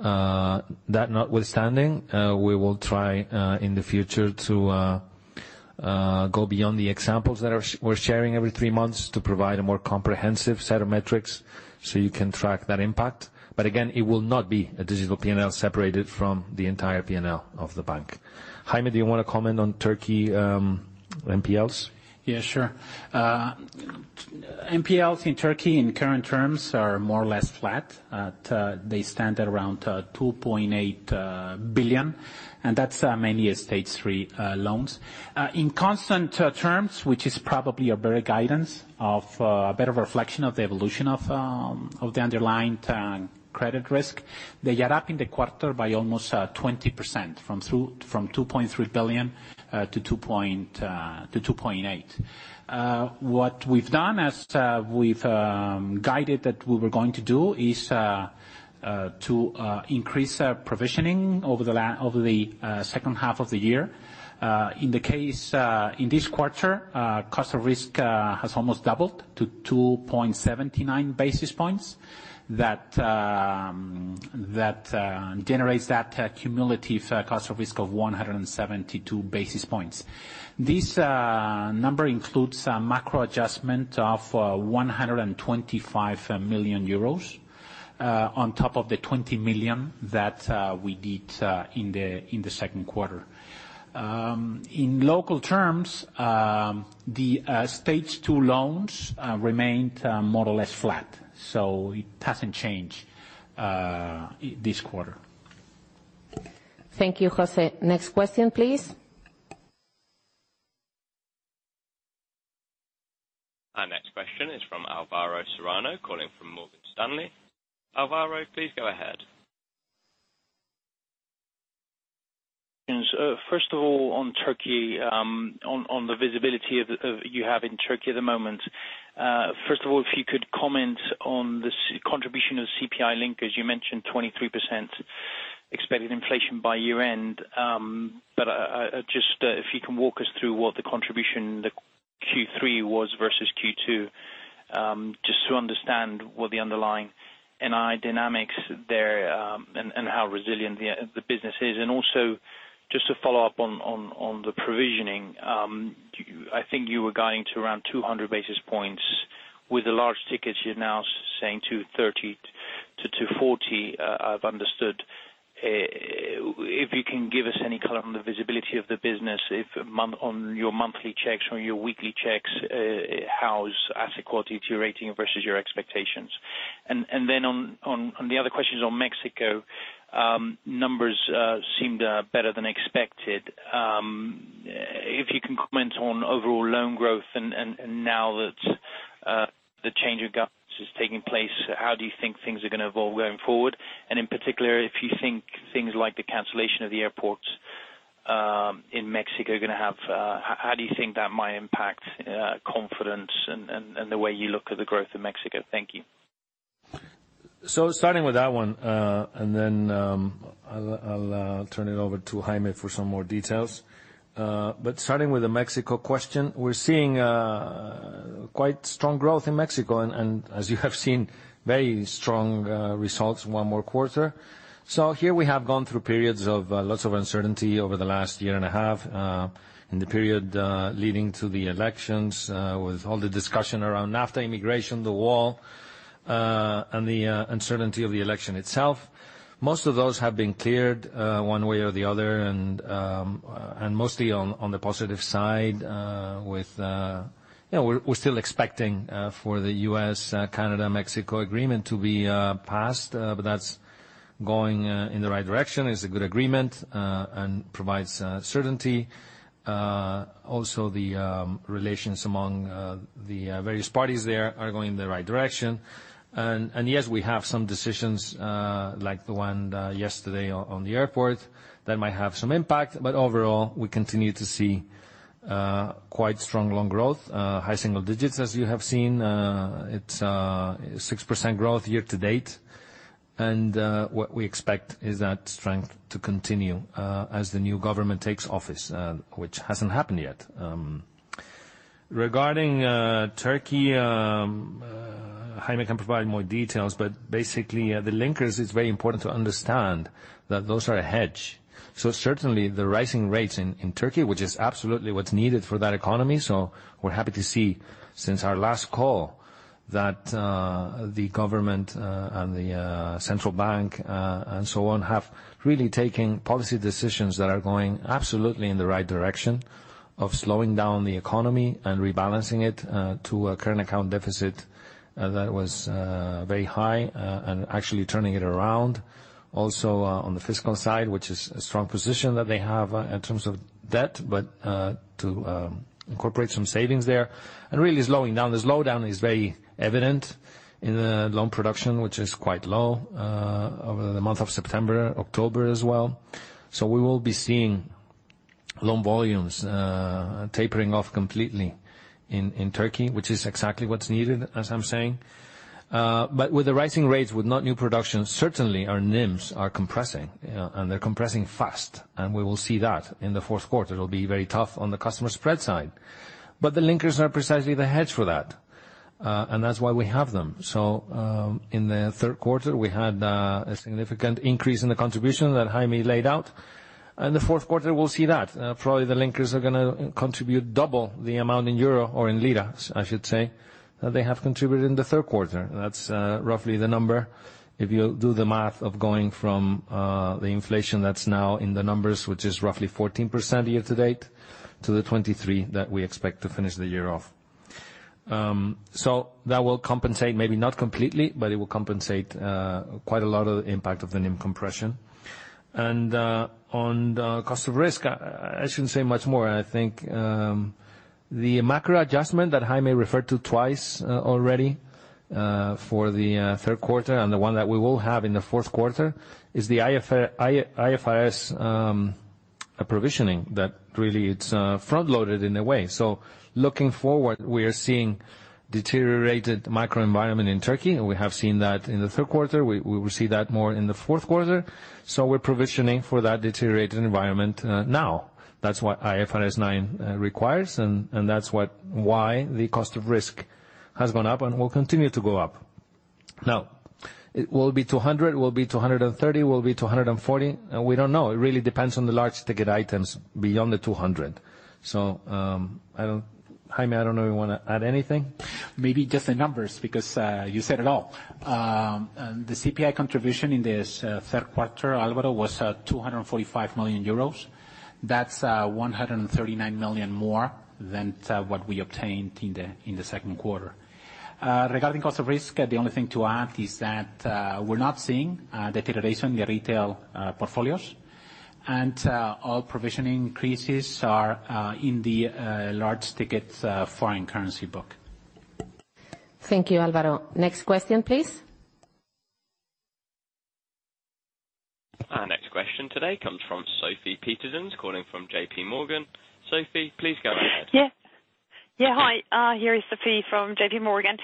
That notwithstanding, we will try in the future to go beyond the examples that we're sharing every three months to provide a more comprehensive set of metrics, so you can track that impact. Again, it will not be a digital P&L separated from the entire P&L of the bank. Jaime, do you want to comment on Turkey NPLs? Yeah, sure. NPLs in Turkey in current terms are more or less flat. They stand at around 2.8 billion, and that's mainly Stage 3 loans. In constant terms, which is probably a better guidance, a better reflection of the evolution of the underlying credit risk, they are up in the quarter by almost 20%, from 2.3 billion to 2.8 billion. What we've done, as we've guided that we were going to do, is to increase our provisioning over the second half of the year. In this quarter, cost of risk has almost doubled to 2.79 basis points. That generates that cumulative cost of risk of 172 basis points. This number includes a macro adjustment of 125 million euros, on top of the 20 million that we did in the second quarter. In local terms, the Stage 2 loans remained more or less flat. It hasn't changed this quarter. Thank you, José. Next question, please. Our next question is from Álvaro Serrano, calling from Morgan Stanley. Álvaro, please go ahead. First of all, on Turkey, on the visibility you have in Turkey at the moment. First of all, if you could comment on the contribution of CPI linkers, as you mentioned, 23% expected inflation by year-end. Just if you can walk us through what the contribution Q3 was versus Q2, just to understand what the underlying NII dynamics there, and how resilient the business is. Also, just to follow up on the provisioning. I think you were guiding to around 200 basis points with the large tickets. You're now saying 230 basis points-240 basis points, I've understood. If you can give us any color on the visibility of the business, on your monthly checks or your weekly checks, how is asset quality deteriorating versus your expectations? Then on the other questions on Mexico, numbers seemed better than expected. If you can comment on overall loan growth, now that the change of government is taking place, how do you think things are going to evolve going forward? In particular, if you think things like the cancellation of the airports in Mexico, how do you think that might impact confidence and the way you look at the growth of Mexico? Thank you. Starting with that one, then I'll turn it over to Jaime for some more details. Starting with the Mexico question, we're seeing quite strong growth in Mexico, as you have seen, very strong results one more quarter. Here we have gone through periods of lots of uncertainty over the last year and a half, in the period leading to the elections, with all the discussion around NAFTA, immigration, the wall, the uncertainty of the election itself. Most of those have been cleared one way or the other, mostly on the positive side. We're still expecting for the U.S.-Canada-Mexico agreement to be passed, that's going in the right direction. It's a good agreement, provides certainty. The relations among the various parties there are going in the right direction. Yes, we have some decisions like the one yesterday on the airport that might have some impact. Overall, we continue to see quite strong loan growth, high single digits, as you have seen. It's 6% growth year to date. What we expect is that strength to continue as the new government takes office, which hasn't happened yet. Regarding Turkey, Jaime can provide more details, basically, the linkers, it's very important to understand that those are a hedge. Certainly, the rising rates in Turkey, which is absolutely what's needed for that economy. We're happy to see since our last call that the government and the central bank and so on have really taken policy decisions that are going absolutely in the right direction of slowing down the economy and rebalancing it to a current account deficit that was very high, actually turning it around. On the fiscal side, which is a strong position that they have in terms of debt, to incorporate some savings there. Really slowing down. The slowdown is very evident in the loan production, which is quite low over the month of September, October as well. We will be seeing loan volumes tapering off completely in Turkey, which is exactly what's needed, as I'm saying. With the rising rates, with no new production, certainly our NIMs are compressing, they're compressing fast. We will see that in the fourth quarter. It'll be very tough on the customer spread side. The linkers are precisely the hedge for that. That's why we have them. In the third quarter, we had a significant increase in the contribution that Jaime laid out. The fourth quarter, we'll see that. Probably the linkers are going to contribute double the amount in EUR, or in TRY, I should say, that they have contributed in the third quarter. That's roughly the number. If you do the math of going from the inflation that's now in the numbers, which is roughly 14% year to date, to the 23% that we expect to finish the year off. That will compensate, maybe not completely, but it will compensate quite a lot of the impact of the NIM compression. On the cost of risk, I shouldn't say much more. I think the macro adjustment that Jaime referred to twice already, for the third quarter, and the one that we will have in the fourth quarter, is the IFRS provisioning that really it's front-loaded in a way. Looking forward, we are seeing deteriorated macro environment in Turkey. We have seen that in the third quarter. We will see that more in the fourth quarter. We're provisioning for that deteriorated environment now. That's what IFRS 9 requires. That's why the cost of risk has gone up and will continue to go up. Now, it will be 200, will be 230, will be 240. We don't know. It really depends on the large ticket items beyond the 200. Jaime, I don't know if you want to add anything? Maybe just the numbers, because you said it all. The CPI contribution in this third quarter, Álvaro, was 245 million euros. That's 139 million more than what we obtained in the second quarter. Regarding cost of risk, the only thing to add is that we're not seeing deterioration in the retail portfolios. All provisioning increases are in the large ticket foreign currency book. Thank you, Alvaro. Next question, please. Our next question today comes from Sofie Peterzens calling from JPMorgan. Sofie, please go ahead. Yeah. Hi, here is Sofie from J.P. Morgan.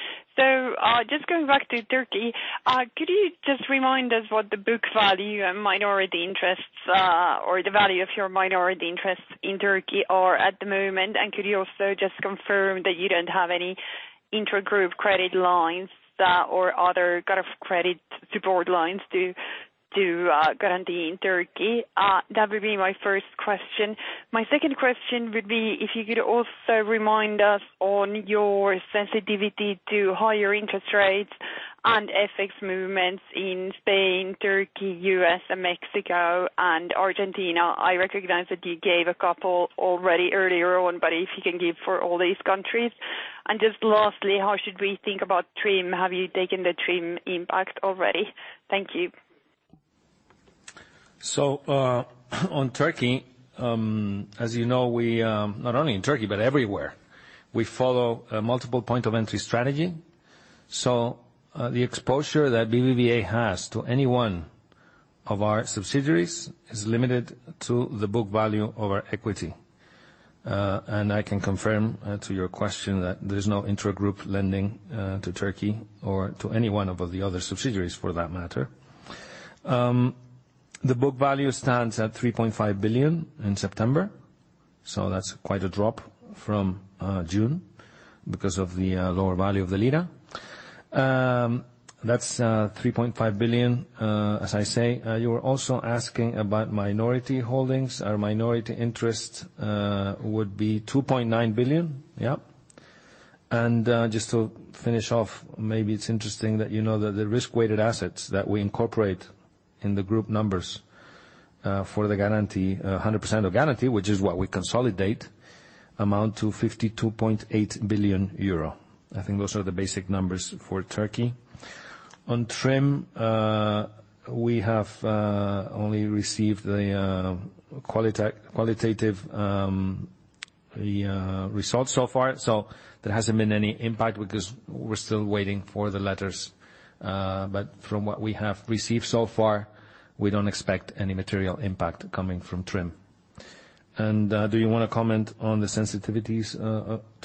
Just going back to Turkey, could you just remind us what the book value and minority interests, or the value of your minority interests in Turkey are at the moment? Could you also just confirm that you don't have any intragroup credit lines or other kind of credit support lines to Garanti in Turkey? That would be my first question. My second question would be if you could also remind us on your sensitivity to higher interest rates and FX movements in Spain, Turkey, U.S., Mexico, and Argentina. I recognize that you gave a couple already earlier on, but if you can give for all these countries. Just lastly, how should we think about TRIM? Have you taken the TRIM impact already? Thank you. On Turkey, as you know, we not only in Turkey but everywhere, we follow a multiple point of entry strategy. The exposure that BBVA has to any one of our subsidiaries is limited to the book value of our equity. I can confirm to your question that there's no intragroup lending to Turkey or to any one of the other subsidiaries for that matter. The book value stands at 3.5 billion in September. That's quite a drop from June because of the lower value of the Turkish lira. That's 3.5 billion, as I say. You were also asking about minority holdings. Our minority interest would be 2.9 billion. Yep. Just to finish off, maybe it's interesting that you know that the risk-weighted assets that we incorporate in the group numbers for the Garanti, 100% of Garanti, which is what we consolidate, amount to 52.8 billion euro. I think those are the basic numbers for Turkey. On TRIM, we have only received the qualitative results so far. There hasn't been any impact because we're still waiting for the letters. From what we have received so far, we don't expect any material impact coming from TRIM. Do you want to comment on the sensitivities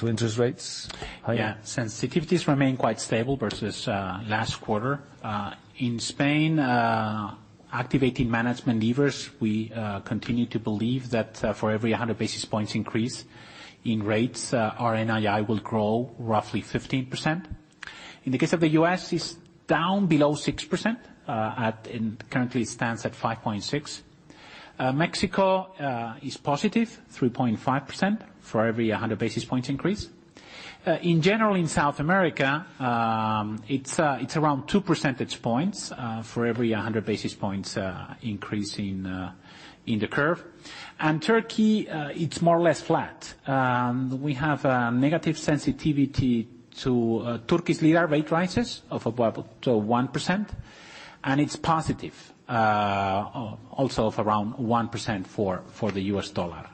to interest rates, Jaime? Yeah. Sensitivities remain quite stable versus last quarter. In Spain, activating management levers, we continue to believe that for every 100 basis points increase in rates, our NII will grow roughly 15%. In the case of the U.S., it's down below 6%, and currently stands at 5.6. Mexico is positive, 3.5% for every 100 basis points increase. In general, in South America, it's around two percentage points for every 100 basis points increase in the curve. Turkey, it's more or less flat. We have a negative sensitivity to Turkish lira rate rises of about 1%, and it's positive also of around 1% for the US dollar.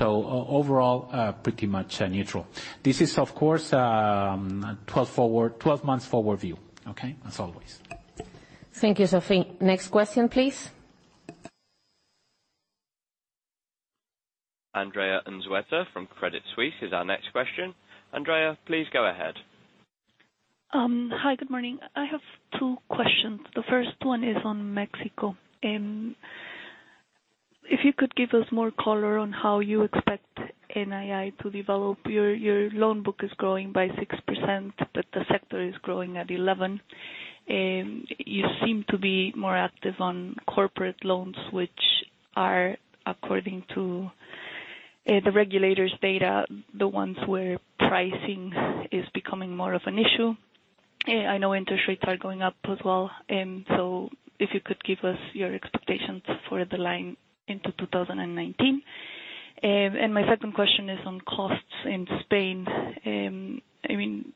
Overall, pretty much neutral. This is, of course, 12 months forward view, okay? As always. Thank you, Sofie. Next question, please. Andrea Unzueta from Credit Suisse is our next question. Andrea, please go ahead. Hi. Good morning. I have two questions. The first one is on Mexico. If you could give us more color on how you expect NII to develop. Your loan book is growing by 6%, but the sector is growing at 11%. You seem to be more active on corporate loans, which are, according to the regulator's data, the ones where pricing is becoming more of an issue. I know interest rates are going up as well. If you could give us your expectations for the line into 2019. My second question is on costs in Spain.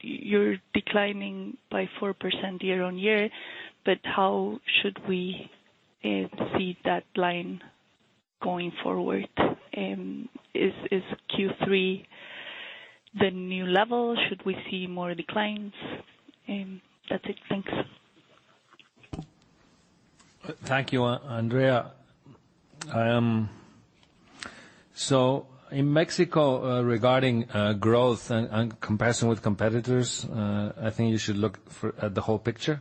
You're declining by 4% year-on-year, but how should we see that line going forward? Is Q3 the new level? Should we see more declines? That's it. Thanks. Thank you, Andrea. In Mexico, regarding growth and comparison with competitors, I think you should look at the whole picture,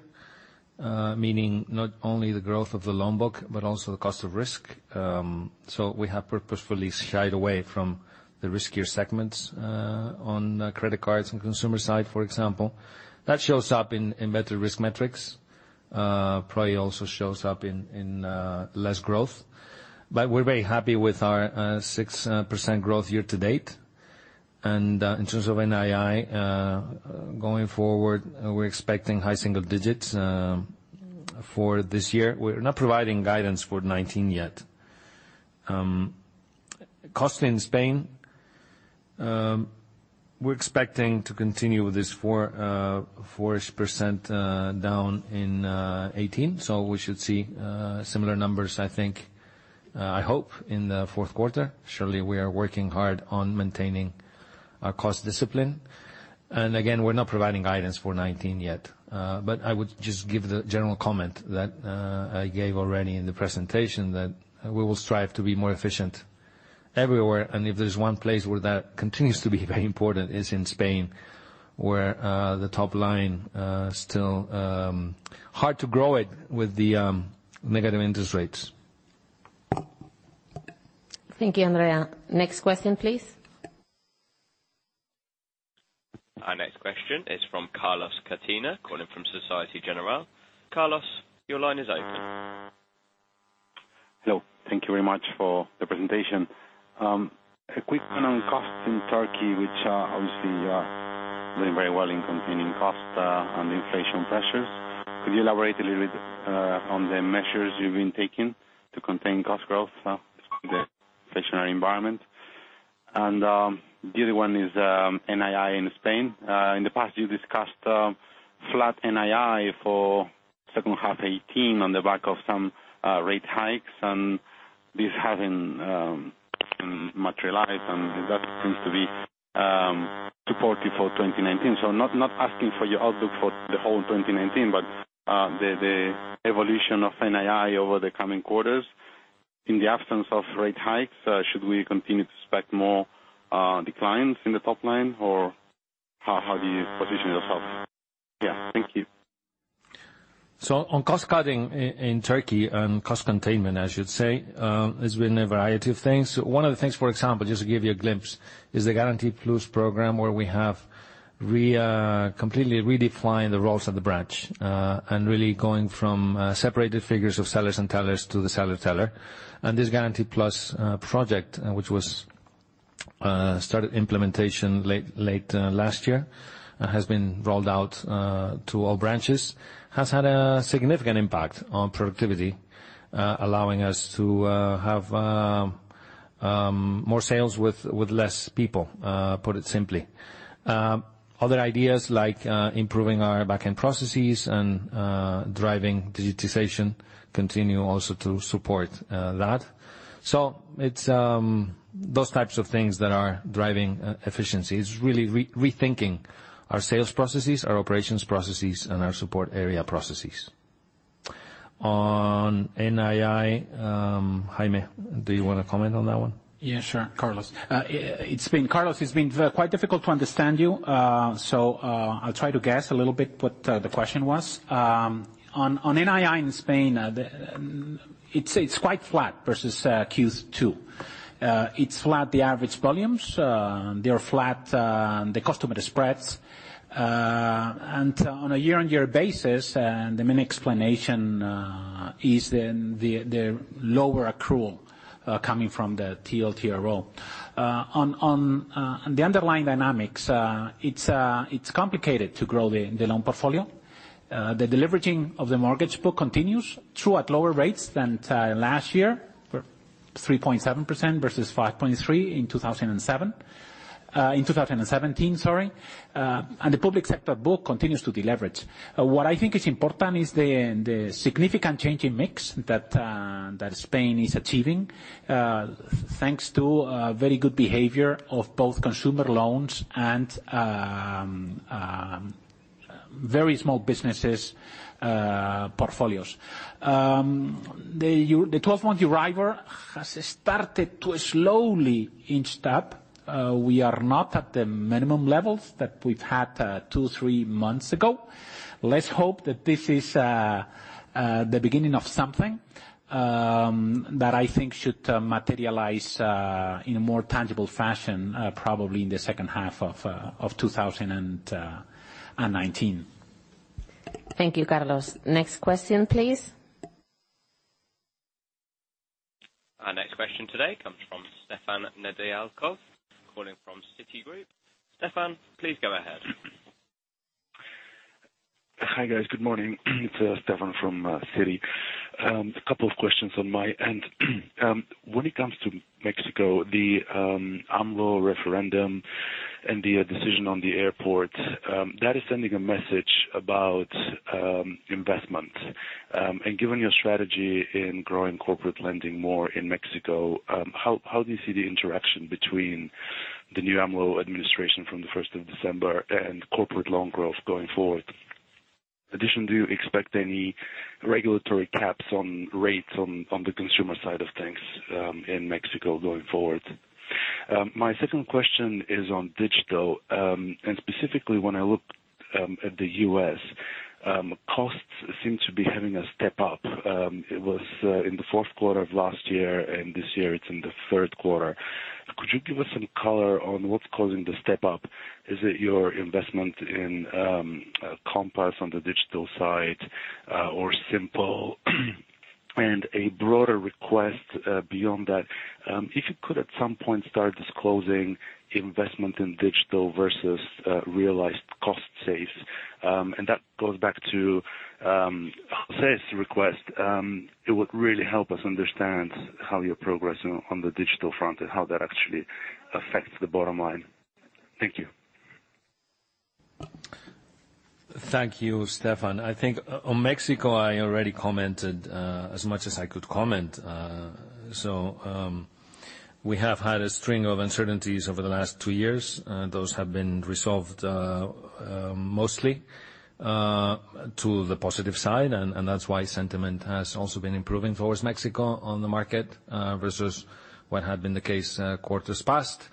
meaning not only the growth of the loan book, but also the cost of risk. We have purposefully shied away from the riskier segments on credit cards and consumer side, for example. That shows up in better risk metrics, probably also shows up in less growth. We're very happy with our 6% growth year to date. In terms of NII, going forward, we're expecting high single digits for this year. We're not providing guidance for 2019 yet. Costs in Spain, we're expecting to continue with this 4% down in 2018, we should see similar numbers, I think, I hope, in the fourth quarter. Surely, we are working hard on maintaining our cost discipline. Again, we're not providing guidance for 2019 yet. I would just give the general comment that I gave already in the presentation that we will strive to be more efficient everywhere. If there's one place where that continues to be very important, it's in Spain, where the top line still hard to grow it with the negative interest rates. Thank you, Andrea. Next question, please. Our next question is from Carlos Cobo, calling from Societe Generale. Carlos, your line is open. Hello. Thank you very much for the presentation. A quick one on costs in Turkey, which obviously are doing very well in containing costs on the inflation pressures. Could you elaborate a little bit on the measures you've been taking to contain cost growth despite the inflationary environment? The other one is NII in Spain. In the past you discussed flat NII for second half 2018 on the back of some rate hikes, this hasn't materialized, and that seems to be supportive for 2019. Not asking for your outlook for the whole of 2019, but the evolution of NII over the coming quarters. In the absence of rate hikes, should we continue to expect more declines in the top line, or how do you position yourself? Thank you. On cost-cutting in Turkey, cost containment, I should say, has been a variety of things. One of the things, for example, just to give you a glimpse, is the Garanti Plus program, where we have completely redefined the roles of the branch, and really going from separated figures of sellers and tellers to the seller-teller. This Garanti Plus project, which started implementation late last year, has been rolled out to all branches, has had a significant impact on productivity, allowing us to have more sales with less people, put it simply. Other ideas like improving our back-end processes and driving digitization continue also to support that. It's those types of things that are driving efficiency. It's really rethinking our sales processes, our operations processes, and our support area processes. On NII, Jaime, do you want to comment on that one? Sure, Carlos. Carlos, it's been quite difficult to understand you, I'll try to guess a little bit what the question was. On NII in Spain, it's quite flat versus Q2. It's flat the average volumes. They are flat the customer spreads. On a year-on-year basis, the main explanation is the lower accrual coming from the TLTRO. On the underlying dynamics, it's complicated to grow the loan portfolio. The deleveraging of the mortgage book continues, true at lower rates than last year, we're 3.7% versus 5.3% in 2017. The public sector book continues to deleverage. What I think is important is the significant change in mix that Spain is achieving, thanks to very good behavior of both consumer loans and Very small businesses portfolios. The 12-month Euribor has started to slowly inch up. We are not at the minimum levels that we've had two, three months ago. Let's hope that this is the beginning of something, that I think should materialize, in a more tangible fashion, probably in the second half of 2019. Thank you, Carlos. Next question, please. Our next question today comes from Stefan Nedialkov, calling from Citigroup. Stefan, please go ahead. Hi, guys. Good morning. It's Stefan from Citi. A couple of questions on my end. When it comes to Mexico, the AMLO referendum and the decision on the airport, that is sending a message about investment. Given your strategy in growing corporate lending more in Mexico, how do you see the interaction between the new AMLO administration from the 1st of December and corporate loan growth going forward? Addition, do you expect any regulatory caps on rates on the consumer side of things, in Mexico going forward? My second question is on digital. Specifically when I look at the U.S., costs seem to be having a step up. It was in the fourth quarter of last year, and this year it's in the third quarter. Could you give us some color on what's causing the step up? Is it your investment in Compass on the digital side, or Simple? A broader request, beyond that, if you could at some point start disclosing investment in digital versus realized cost saves, and that goes back to José's request, it would really help us understand how you're progressing on the digital front and how that actually affects the bottom line. Thank you. Thank you, Stefan. I think on Mexico, I already commented, as much as I could comment. We have had a string of uncertainties over the last 2 years. Those have been resolved, mostly to the positive side, and that's why sentiment has also been improving towards Mexico on the market, versus what had been the case quarters past.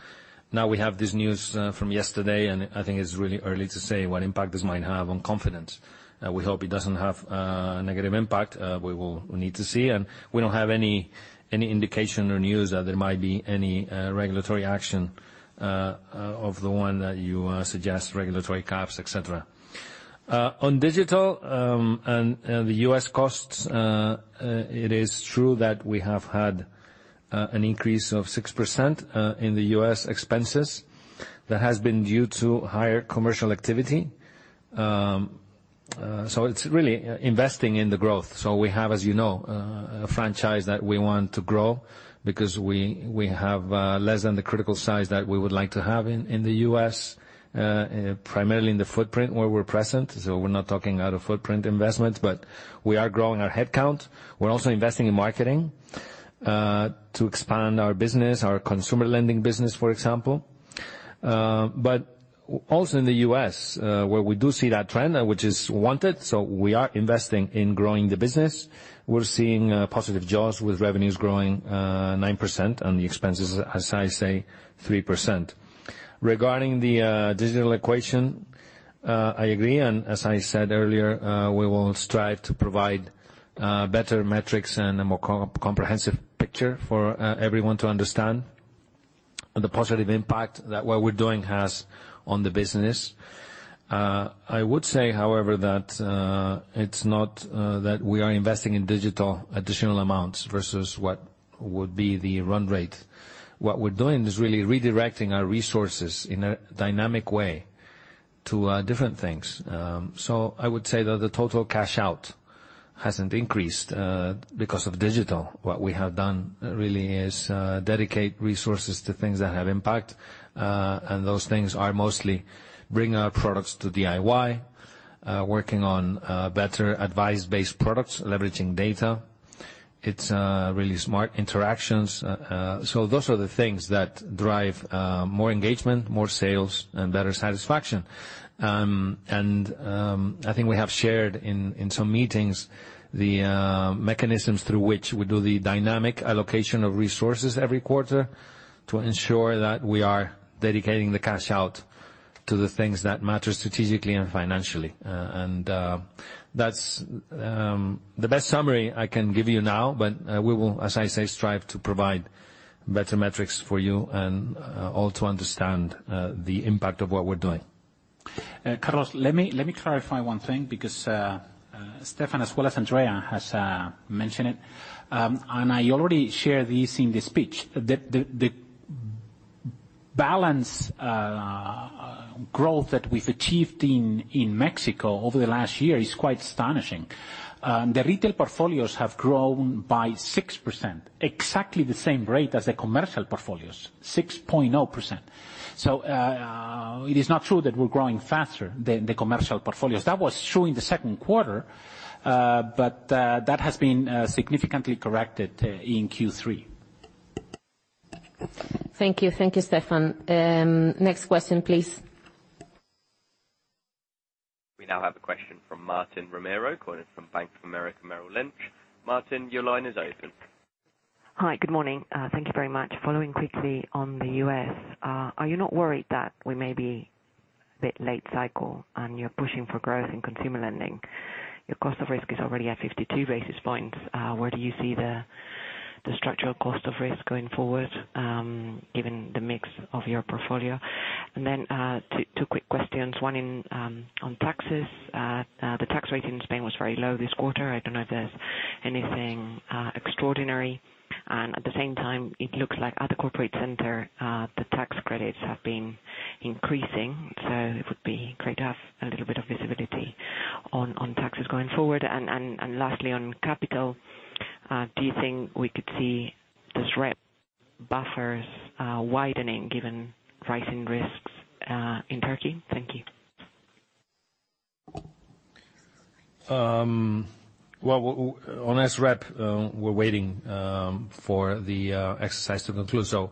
We have this news from yesterday, and I think it's really early to say what impact this might have on confidence. We hope it doesn't have a negative impact. We will need to see, and we don't have any indication or news that there might be any regulatory action of the one that you suggest, regulatory caps, et cetera. On digital, and the U.S. costs, it is true that we have had an increase of 6% in the U.S. expenses that has been due to higher commercial activity. It's really investing in the growth. We have, as you know, a franchise that we want to grow because we have less than the critical size that we would like to have in the U.S., primarily in the footprint where we're present. We're not talking out of footprint investments, but we are growing our headcount. We're also investing in marketing to expand our business, our consumer lending business, for example. Also in the U.S., where we do see that trend, which is wanted, we are investing in growing the business. We're seeing positive jaws with revenues growing 9% and the expenses, as I say, 3%. Regarding the digital equation, I agree, as I said earlier, we will strive to provide better metrics and a more comprehensive picture for everyone to understand the positive impact that what we're doing has on the business. I would say, however, that it's not that we are investing in digital additional amounts versus what would be the run rate. What we're doing is really redirecting our resources in a dynamic way to different things. I would say that the total cash out hasn't increased, because of digital. What we have done really is dedicate resources to things that have impact. Those things are mostly bringing our products to DIY, working on better advice-based products, leveraging data. It's really smart interactions. Those are the things that drive more engagement, more sales, and better satisfaction. I think we have shared in some meetings the mechanisms through which we do the dynamic allocation of resources every quarter to ensure that we are dedicating the cash out to the things that matter strategically and financially. That's the best summary I can give you now. We will, as I say, strive to provide better metrics for you and all to understand the impact of what we're doing. Carlos, let me clarify one thing, because Stefan as well as Andrea has mentioned it. I already shared this in the speech. The balance growth that we've achieved in Mexico over the last year is quite astonishing. The retail portfolios have grown by 6%, exactly the same rate as the commercial portfolios, 6.0%. It is not true that we're growing faster than the commercial portfolios. That was true in the second quarter, but that has been significantly corrected in Q3. Thank you, Stefan. Next question, please. We now have a question from Marta Romero calling from Bank of America Merrill Lynch. Martin, your line is open. Hi. Good morning. Thank you very much. Following quickly on the U.S., are you not worried that we may be a bit late cycle and you're pushing for growth in consumer lending? Your cost of risk is already at 52 basis points. Where do you see the structural cost of risk going forward, given the mix of your portfolio? Then, two quick questions. One on taxes. The tax rate in Spain was very low this quarter. I don't know if there's anything extraordinary. At the same time, it looks like at the corporate center, the tax credits have been increasing. It would be great to have a little bit of visibility on taxes going forward. Lastly, on capital, do you think we could see the SREP buffers widening given rising risks in Turkey? Thank you. On SREP, we're waiting for the exercise to conclude,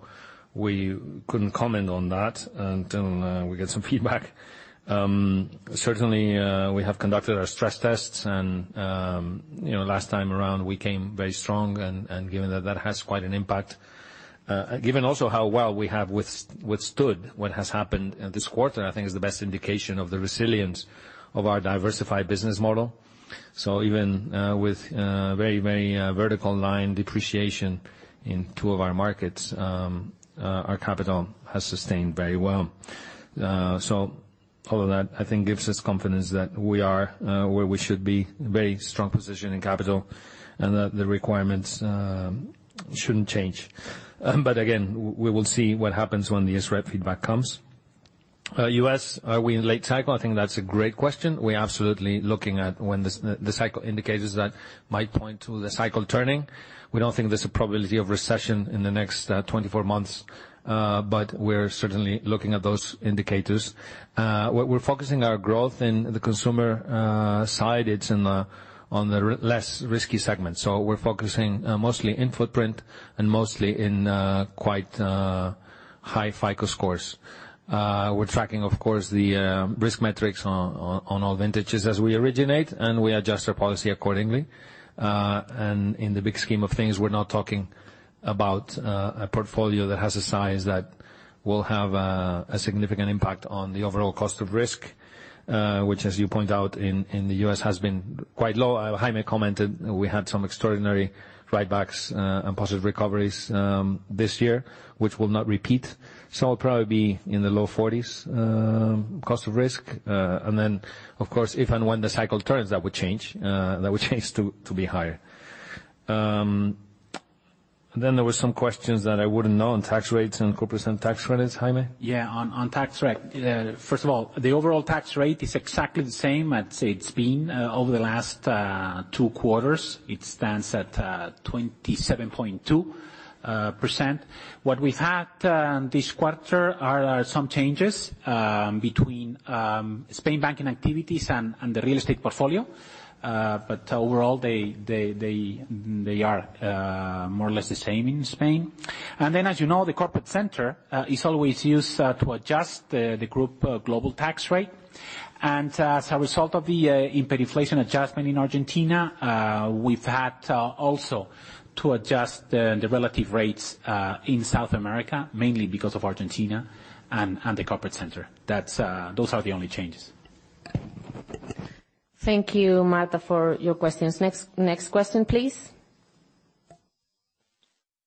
we couldn't comment on that until we get some feedback. Certainly, we have conducted our stress tests, last time around we came very strong, given that has quite an impact. Given also how well we have withstood what has happened this quarter, I think is the best indication of the resilience of our diversified business model. Even with very vertical line depreciation in two of our markets, our capital has sustained very well. All of that, I think, gives us confidence that we are where we should be, very strong position in capital and that the requirements shouldn't change. Again, we will see what happens when the SREP feedback comes. U.S., are we in late cycle? I think that's a great question. We're absolutely looking at when the cycle indicators that might point to the cycle turning. We don't think there's a probability of recession in the next 24 months. We're certainly looking at those indicators. Where we're focusing our growth in the consumer side, it's on the less risky segment. We're focusing mostly in footprint and mostly in quite high FICO scores. We're tracking, of course, the risk metrics on all vintages as we originate, we adjust our policy accordingly. In the big scheme of things, we're not talking about a portfolio that has a size that will have a significant impact on the overall cost of risk, which as you point out in the U.S., has been quite low. Jaime commented we had some extraordinary write-backs, positive recoveries this year, which will not repeat. It'll probably be in the low 40s cost of risk. Of course, if and when the cycle turns, that would change to be higher. There were some questions that I wouldn't know on tax rates and corporate tax credits. Jaime? On tax rate. First of all, the overall tax rate is exactly the same as it's been over the last two quarters. It stands at 27.2%. What we've had this quarter are some changes between Spain banking activities and the real estate portfolio. Overall they are more or less the same in Spain. As you know, the corporate center is always used to adjust the group global tax rate. As a result of the inflation adjustment in Argentina, we've had also to adjust the relative rates in South America, mainly because of Argentina and the corporate center. Those are the only changes. Thank you, Martin, for your questions. Next question, please.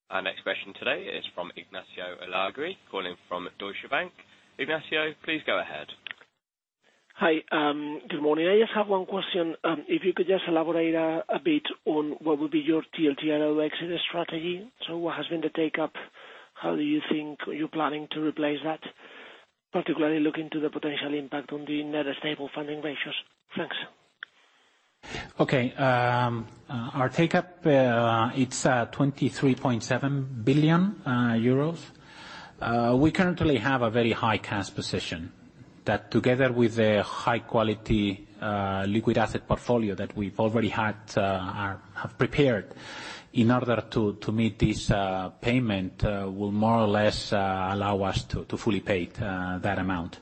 Our next question today is from Ignacio Ulargui calling from Deutsche Bank. Ignacio, please go ahead. Hi. Good morning. I just have one question. If you could just elaborate a bit on what would be your TLTRO exit strategy. What has been the take-up? How do you think you're planning to replace that? Particularly looking to the potential impact on the net stable funding ratios. Thanks. Okay. Our take-up, it's 23.7 billion euros. We currently have a very high cash position that together with a high-quality liquid asset portfolio that we've already had prepared in order to meet this payment, will more or less allow us to fully pay that amount.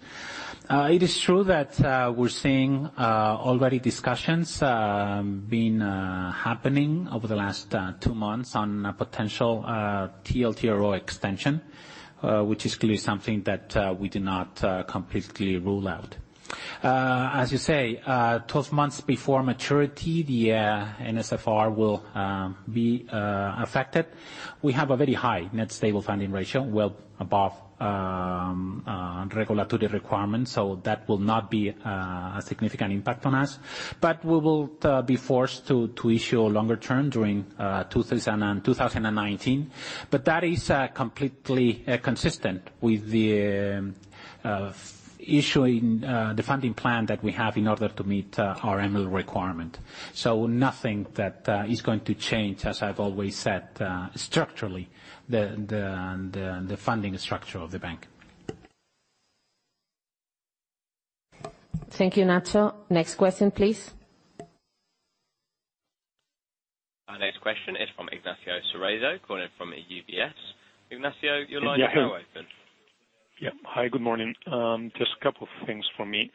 It is true that we're seeing already discussions been happening over the last two months on a potential TLTRO extension, which is clearly something that we do not completely rule out. As you say, 12 months before maturity, the NSFR will be affected. We have a very high net stable funding ratio, well above regulatory requirements, so that will not be a significant impact on us. We will be forced to issue a longer term during 2019. That is completely consistent with the funding plan that we have in order to meet our annual requirement. Nothing that is going to change, as I've always said, structurally, the funding structure of the bank. Thank you, Nacho. Next question, please. Our next question is from Ignacio Cerezo calling from UBS. Ignacio, your line is now open. Hi, good morning. Just a couple of things for me.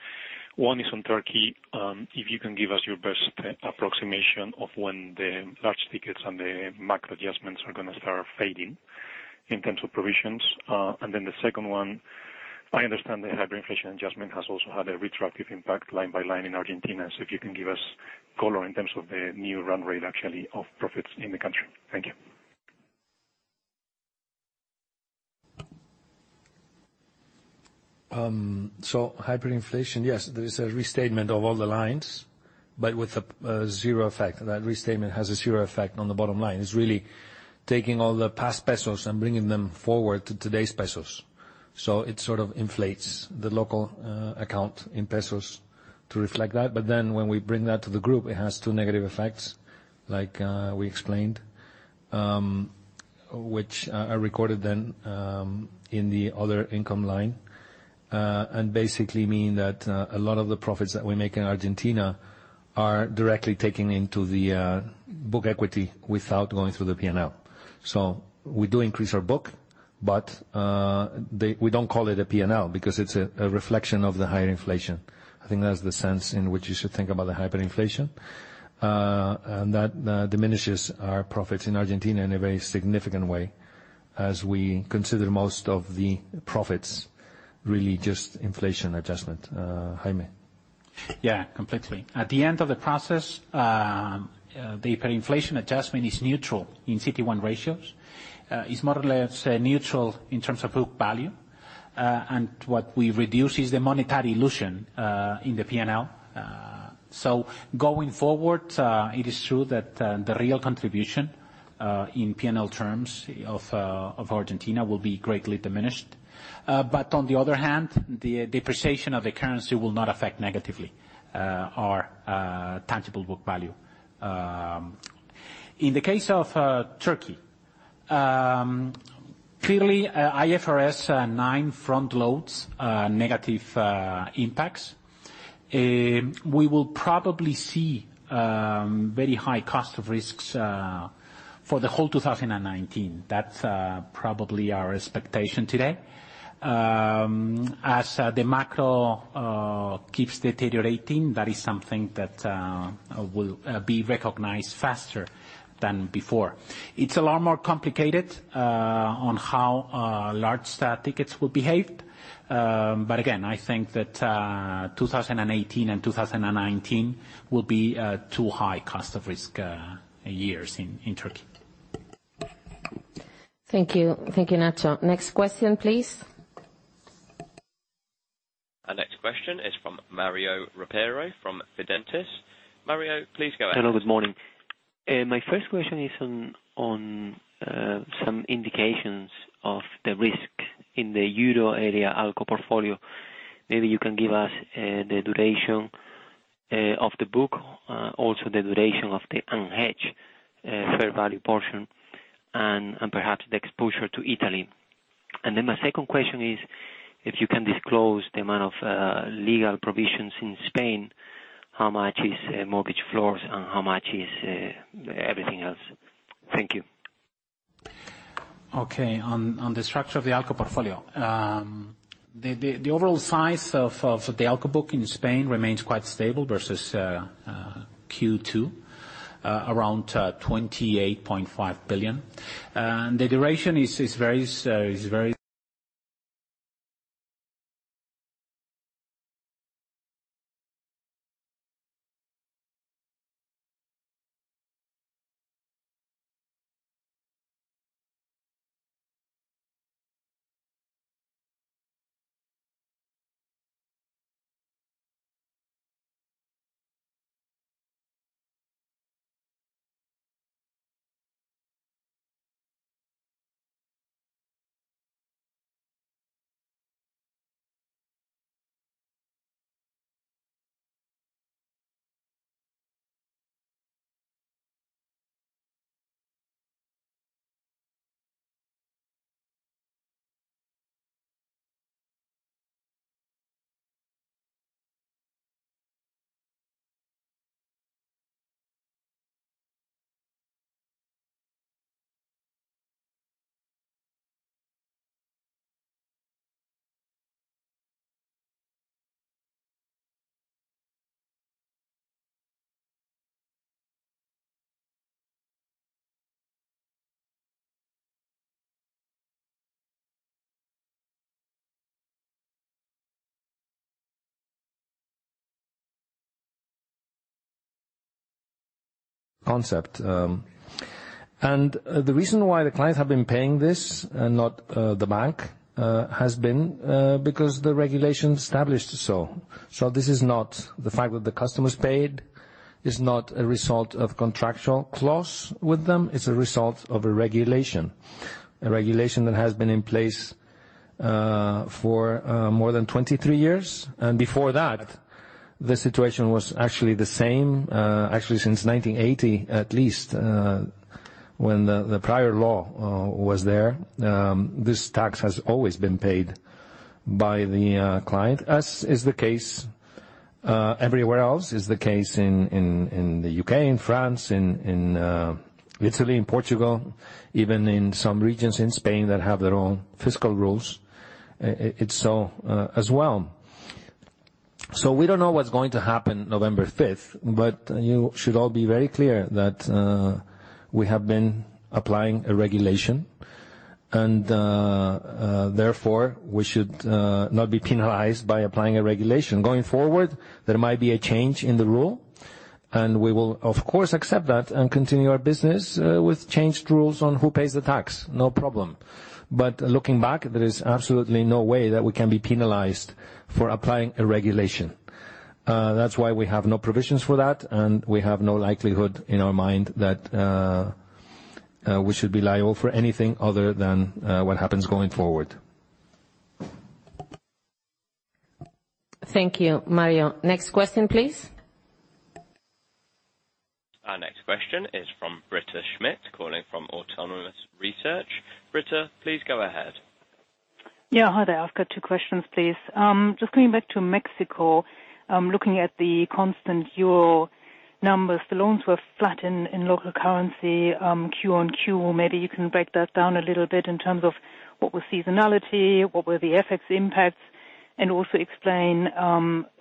One is on Turkey. If you can give us your best approximation of when the large tickets and the macro adjustments are going to start fading in terms of provisions. The second one, I understand the hyperinflation adjustment has also had a retroactive impact line by line in Argentina. If you can give us color in terms of the new run rate, actually, of profits in the country. Thank you. Hyperinflation, yes, there is a restatement of all the lines, but with a zero effect. That restatement has a zero effect on the bottom line. It is really taking all the past pesos and bringing them forward to today's pesos. It sort of inflates the local account in pesos to reflect that. When we bring that to the group, it has 2 negative effects like we explained, which are recorded in the other income line, and basically mean that a lot of the profits that we make in Argentina are directly taken into the book equity without going through the P&L. We do increase our book, but we don't call it a P&L because it is a reflection of the higher inflation. I think that's the sense in which you should think about the hyperinflation. That diminishes our profits in Argentina in a very significant way, as we consider most of the profits really just inflation adjustment. Jaime. Completely. At the end of the process, the hyperinflation adjustment is neutral in CT1 ratios. It is more or less neutral in terms of book value. What we reduce is the monetary illusion in the P&L. Going forward, it is true that the real contribution, in P&L terms, of Argentina will be greatly diminished. On the other hand, the depreciation of the currency will not affect negatively our tangible book value. In the case of Turkey, clearly IFRS 9 front-loads negative impacts. We will probably see very high cost of risk for the whole 2019. That is probably our expectation today. As the macro keeps deteriorating, that is something that will be recognized faster than before. It is a lot more complicated on how large tickets will behave. Again, I think that 2018 and 2019 will be 2 high cost of risk years in Turkey. Thank you. Thank you, Nacho. Next question, please. Our next question is from Mario Ropero from Fidentiis. Mario, please go ahead. Hello, good morning. My first question is on some indications of the risk in the euro area ALCO portfolio. Maybe you can give us the duration of the book, also the duration of the unhedged fair value portion, and perhaps the exposure to Italy. Then my second question is, if you can disclose the amount of legal provisions in Spain, how much is mortgage floors, and how much is everything else? Thank you. Okay, on the structure of the ALCO portfolio. The overall size of the ALCO book in Spain remains quite stable versus Q2, around 28.5 billion. The duration is very constant. The reason why the clients have been paying this and not the bank has been because the regulation established so. The fact that the customers paid is not a result of contractual clause with them. It's a result of a regulation. A regulation that has been in place for more than 23 years. Before that, the situation was actually the same, actually since 1980, at least When the prior law was there, this tax has always been paid by the client, as is the case everywhere else. Is the case in the U.K., in France, in Italy and Portugal, even in some regions in Spain that have their own fiscal rules, it's so as well. We don't know what's going to happen November 5th, but you should all be very clear that we have been applying a regulation and, therefore, we should not be penalized by applying a regulation. Going forward, there might be a change in the rule, and we will, of course, accept that and continue our business with changed rules on who pays the tax. No problem. Looking back, there is absolutely no way that we can be penalized for applying a regulation. That's why we have no provisions for that, and we have no likelihood in our mind that we should be liable for anything other than what happens going forward. Thank you, Mario. Next question, please. Our next question is from Britta Schmidt, calling from Autonomous Research. Britta, please go ahead. Yeah. Hi there. I've got two questions, please. Just coming back to Mexico, looking at the constant EUR numbers, the loans were flat in local currency Q on Q. Maybe you can break that down a little bit in terms of what was seasonality, what were the FX impacts, and also explain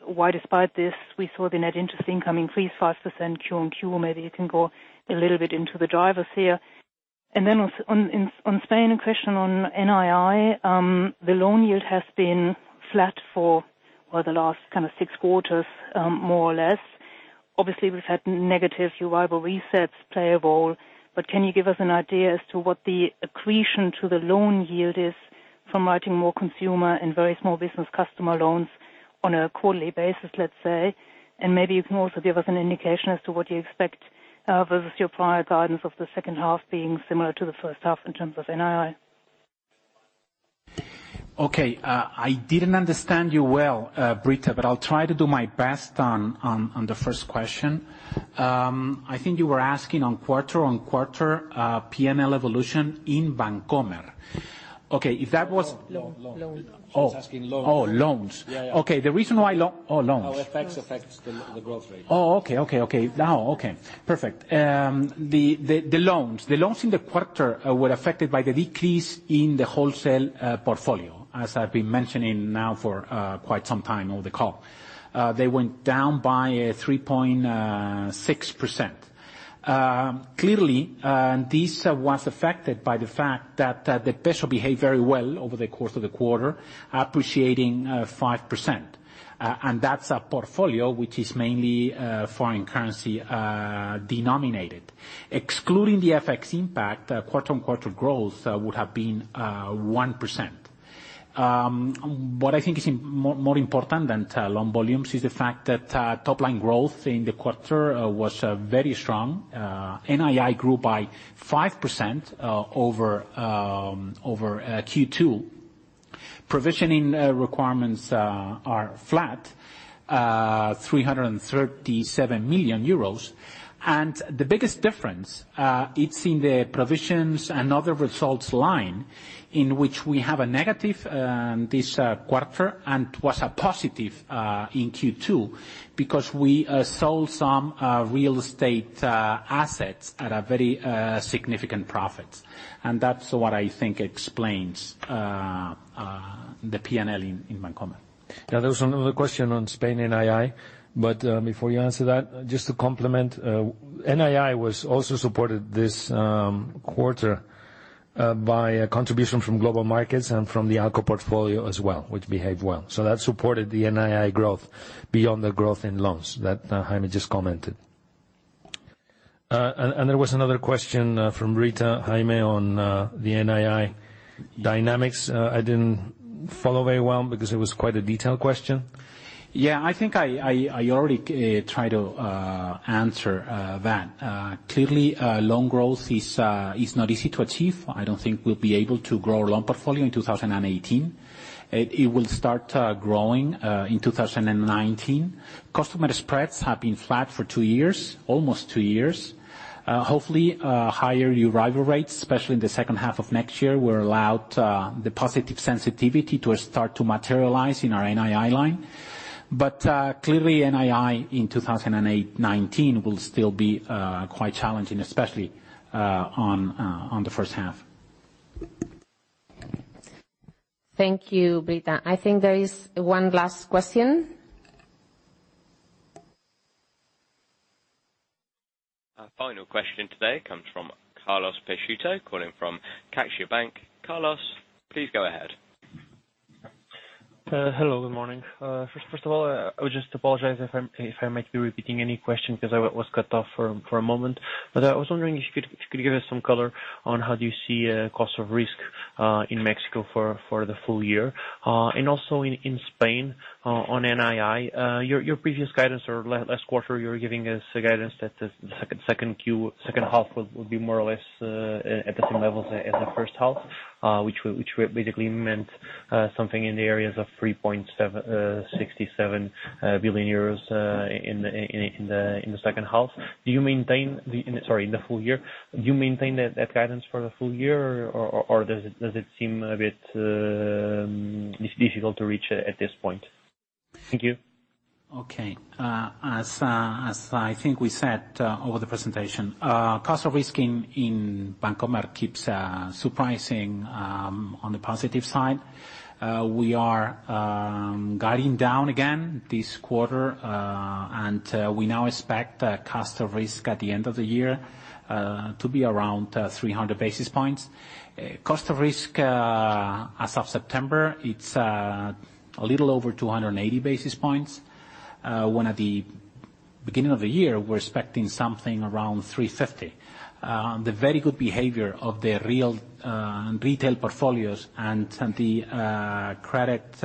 why despite this, we saw the net interest income increase 5% Q on Q. Maybe you can go a little bit into the drivers here. And then on Spain, a question on NII. The loan yield has been flat for the last six quarters, more or less. Obviously, we've had negative Euribor resets play a role. But can you give us an idea as to what the accretion to the loan yield is from writing more consumer and very small business customer loans on a quarterly basis, let's say? Maybe you can also give us an indication as to what you expect versus your prior guidance of the second half being similar to the first half in terms of NII. Okay. I didn't understand you well, Britta, but I'll try to do my best on the first question. I think you were asking on quarter-on-quarter PNL evolution in Bancomer. If that was. Loan. She's asking loans. Oh, loans. Yeah. Okay. The reason why Oh, loans. How FX affects the growth rate. Oh, okay. Now, okay. Perfect. The loans in the quarter were affected by the decrease in the wholesale portfolio, as I've been mentioning now for quite some time on the call. They went down by 3.6%. Clearly, this was affected by the fact that the peso behaved very well over the course of the quarter, appreciating 5%. That's a portfolio which is mainly foreign currency denominated. Excluding the FX impact, quarter-on-quarter growth would have been 1%. What I think is more important than loan volumes is the fact that top line growth in the quarter was very strong. NII grew by 5% over Q2. Provisioning requirements are flat, 337 million euros. The biggest difference, it's in the provisions and other results line in which we have a negative this quarter, and was a positive in Q2, because we sold some real estate assets at a very significant profit. That's what I think explains the PNL in Bancomer. There was another question on Spain NII, before you answer that, just to complement, NII was also supported this quarter by a contribution from global markets and from the ALCO portfolio as well, which behaved well. That supported the NII growth beyond the growth in loans that Jaime just commented. There was another question from Britta, Jaime, on the NII dynamics. I didn't follow very well because it was quite a detailed question. I think I already tried to answer that. Clearly, loan growth is not easy to achieve. I don't think we'll be able to grow our loan portfolio in 2018. It will start growing in 2019. Customer spreads have been flat for two years, almost two years. Hopefully, higher Euribor rates, especially in the second half of next year, will allow the positive sensitivity to start to materialize in our NII line. Clearly, NII in 2019 will still be quite challenging, especially on the first half. Thank you, Britta. I think there is one last question. Our final question today comes from Carlos Peixoto, calling from CaixaBank. Carlos, please go ahead. Hello, good morning. First of all, I would just apologize if I might be repeating any question because I was cut off for a moment. I was wondering if you could give us some color on how do you see cost of risk in Mexico for the full year. Also in Spain, on NII, your previous guidance, or last quarter, you were giving us a guidance that the second half would be more or less at the same levels as the first half, which basically meant something in the areas of 3.67 billion euros in the second half. Sorry, in the full year. Do you maintain that guidance for the full year, or does it seem a bit difficult to reach at this point? Thank you. Okay. As I think we said over the presentation, cost of risk in BBVA keeps surprising on the positive side. We are guiding down again this quarter, and we now expect cost of risk at the end of the year to be around 300 basis points. Cost of risk as of September, it's a little over 280 basis points. When at the beginning of the year, we're expecting something around 350 basis points. The very good behavior of the real retail portfolios and the credit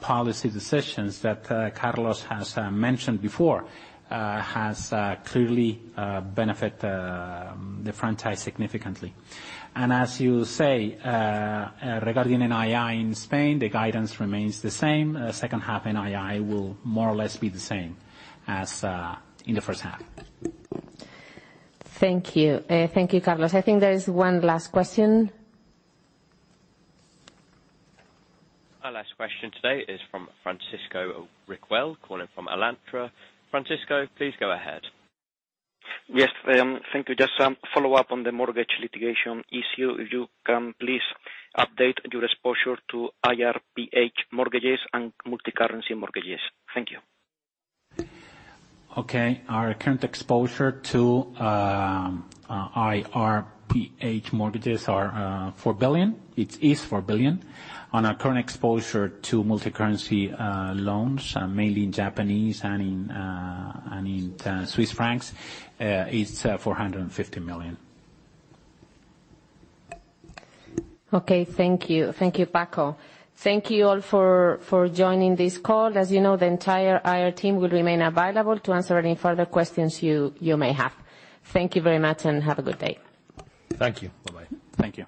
policy decisions that Carlos has mentioned before has clearly benefit the franchise significantly. As you say, regarding NII in Spain, the guidance remains the same. Second half NII will more or less be the same as in the first half. Thank you. Thank you, Carlos. I think there is one last question. Our last question today is from Francisco Riquel, calling from Alantra. Francisco, please go ahead. Yes. Thank you. Just some follow-up on the mortgage litigation issue, if you can please update your exposure to IRPH mortgages and multicurrency mortgages. Thank you. Okay. Our current exposure to IRPH mortgages are 4 billion. It is 4 billion. On our current exposure to multicurrency loans, mainly in Japanese and in Swiss francs, it's EUR 450 million. Okay. Thank you. Thank you, Paco. Thank you all for joining this call. As you know, the entire IR team will remain available to answer any further questions you may have. Thank you very much and have a good day. Thank you. Bye-bye. Thank you.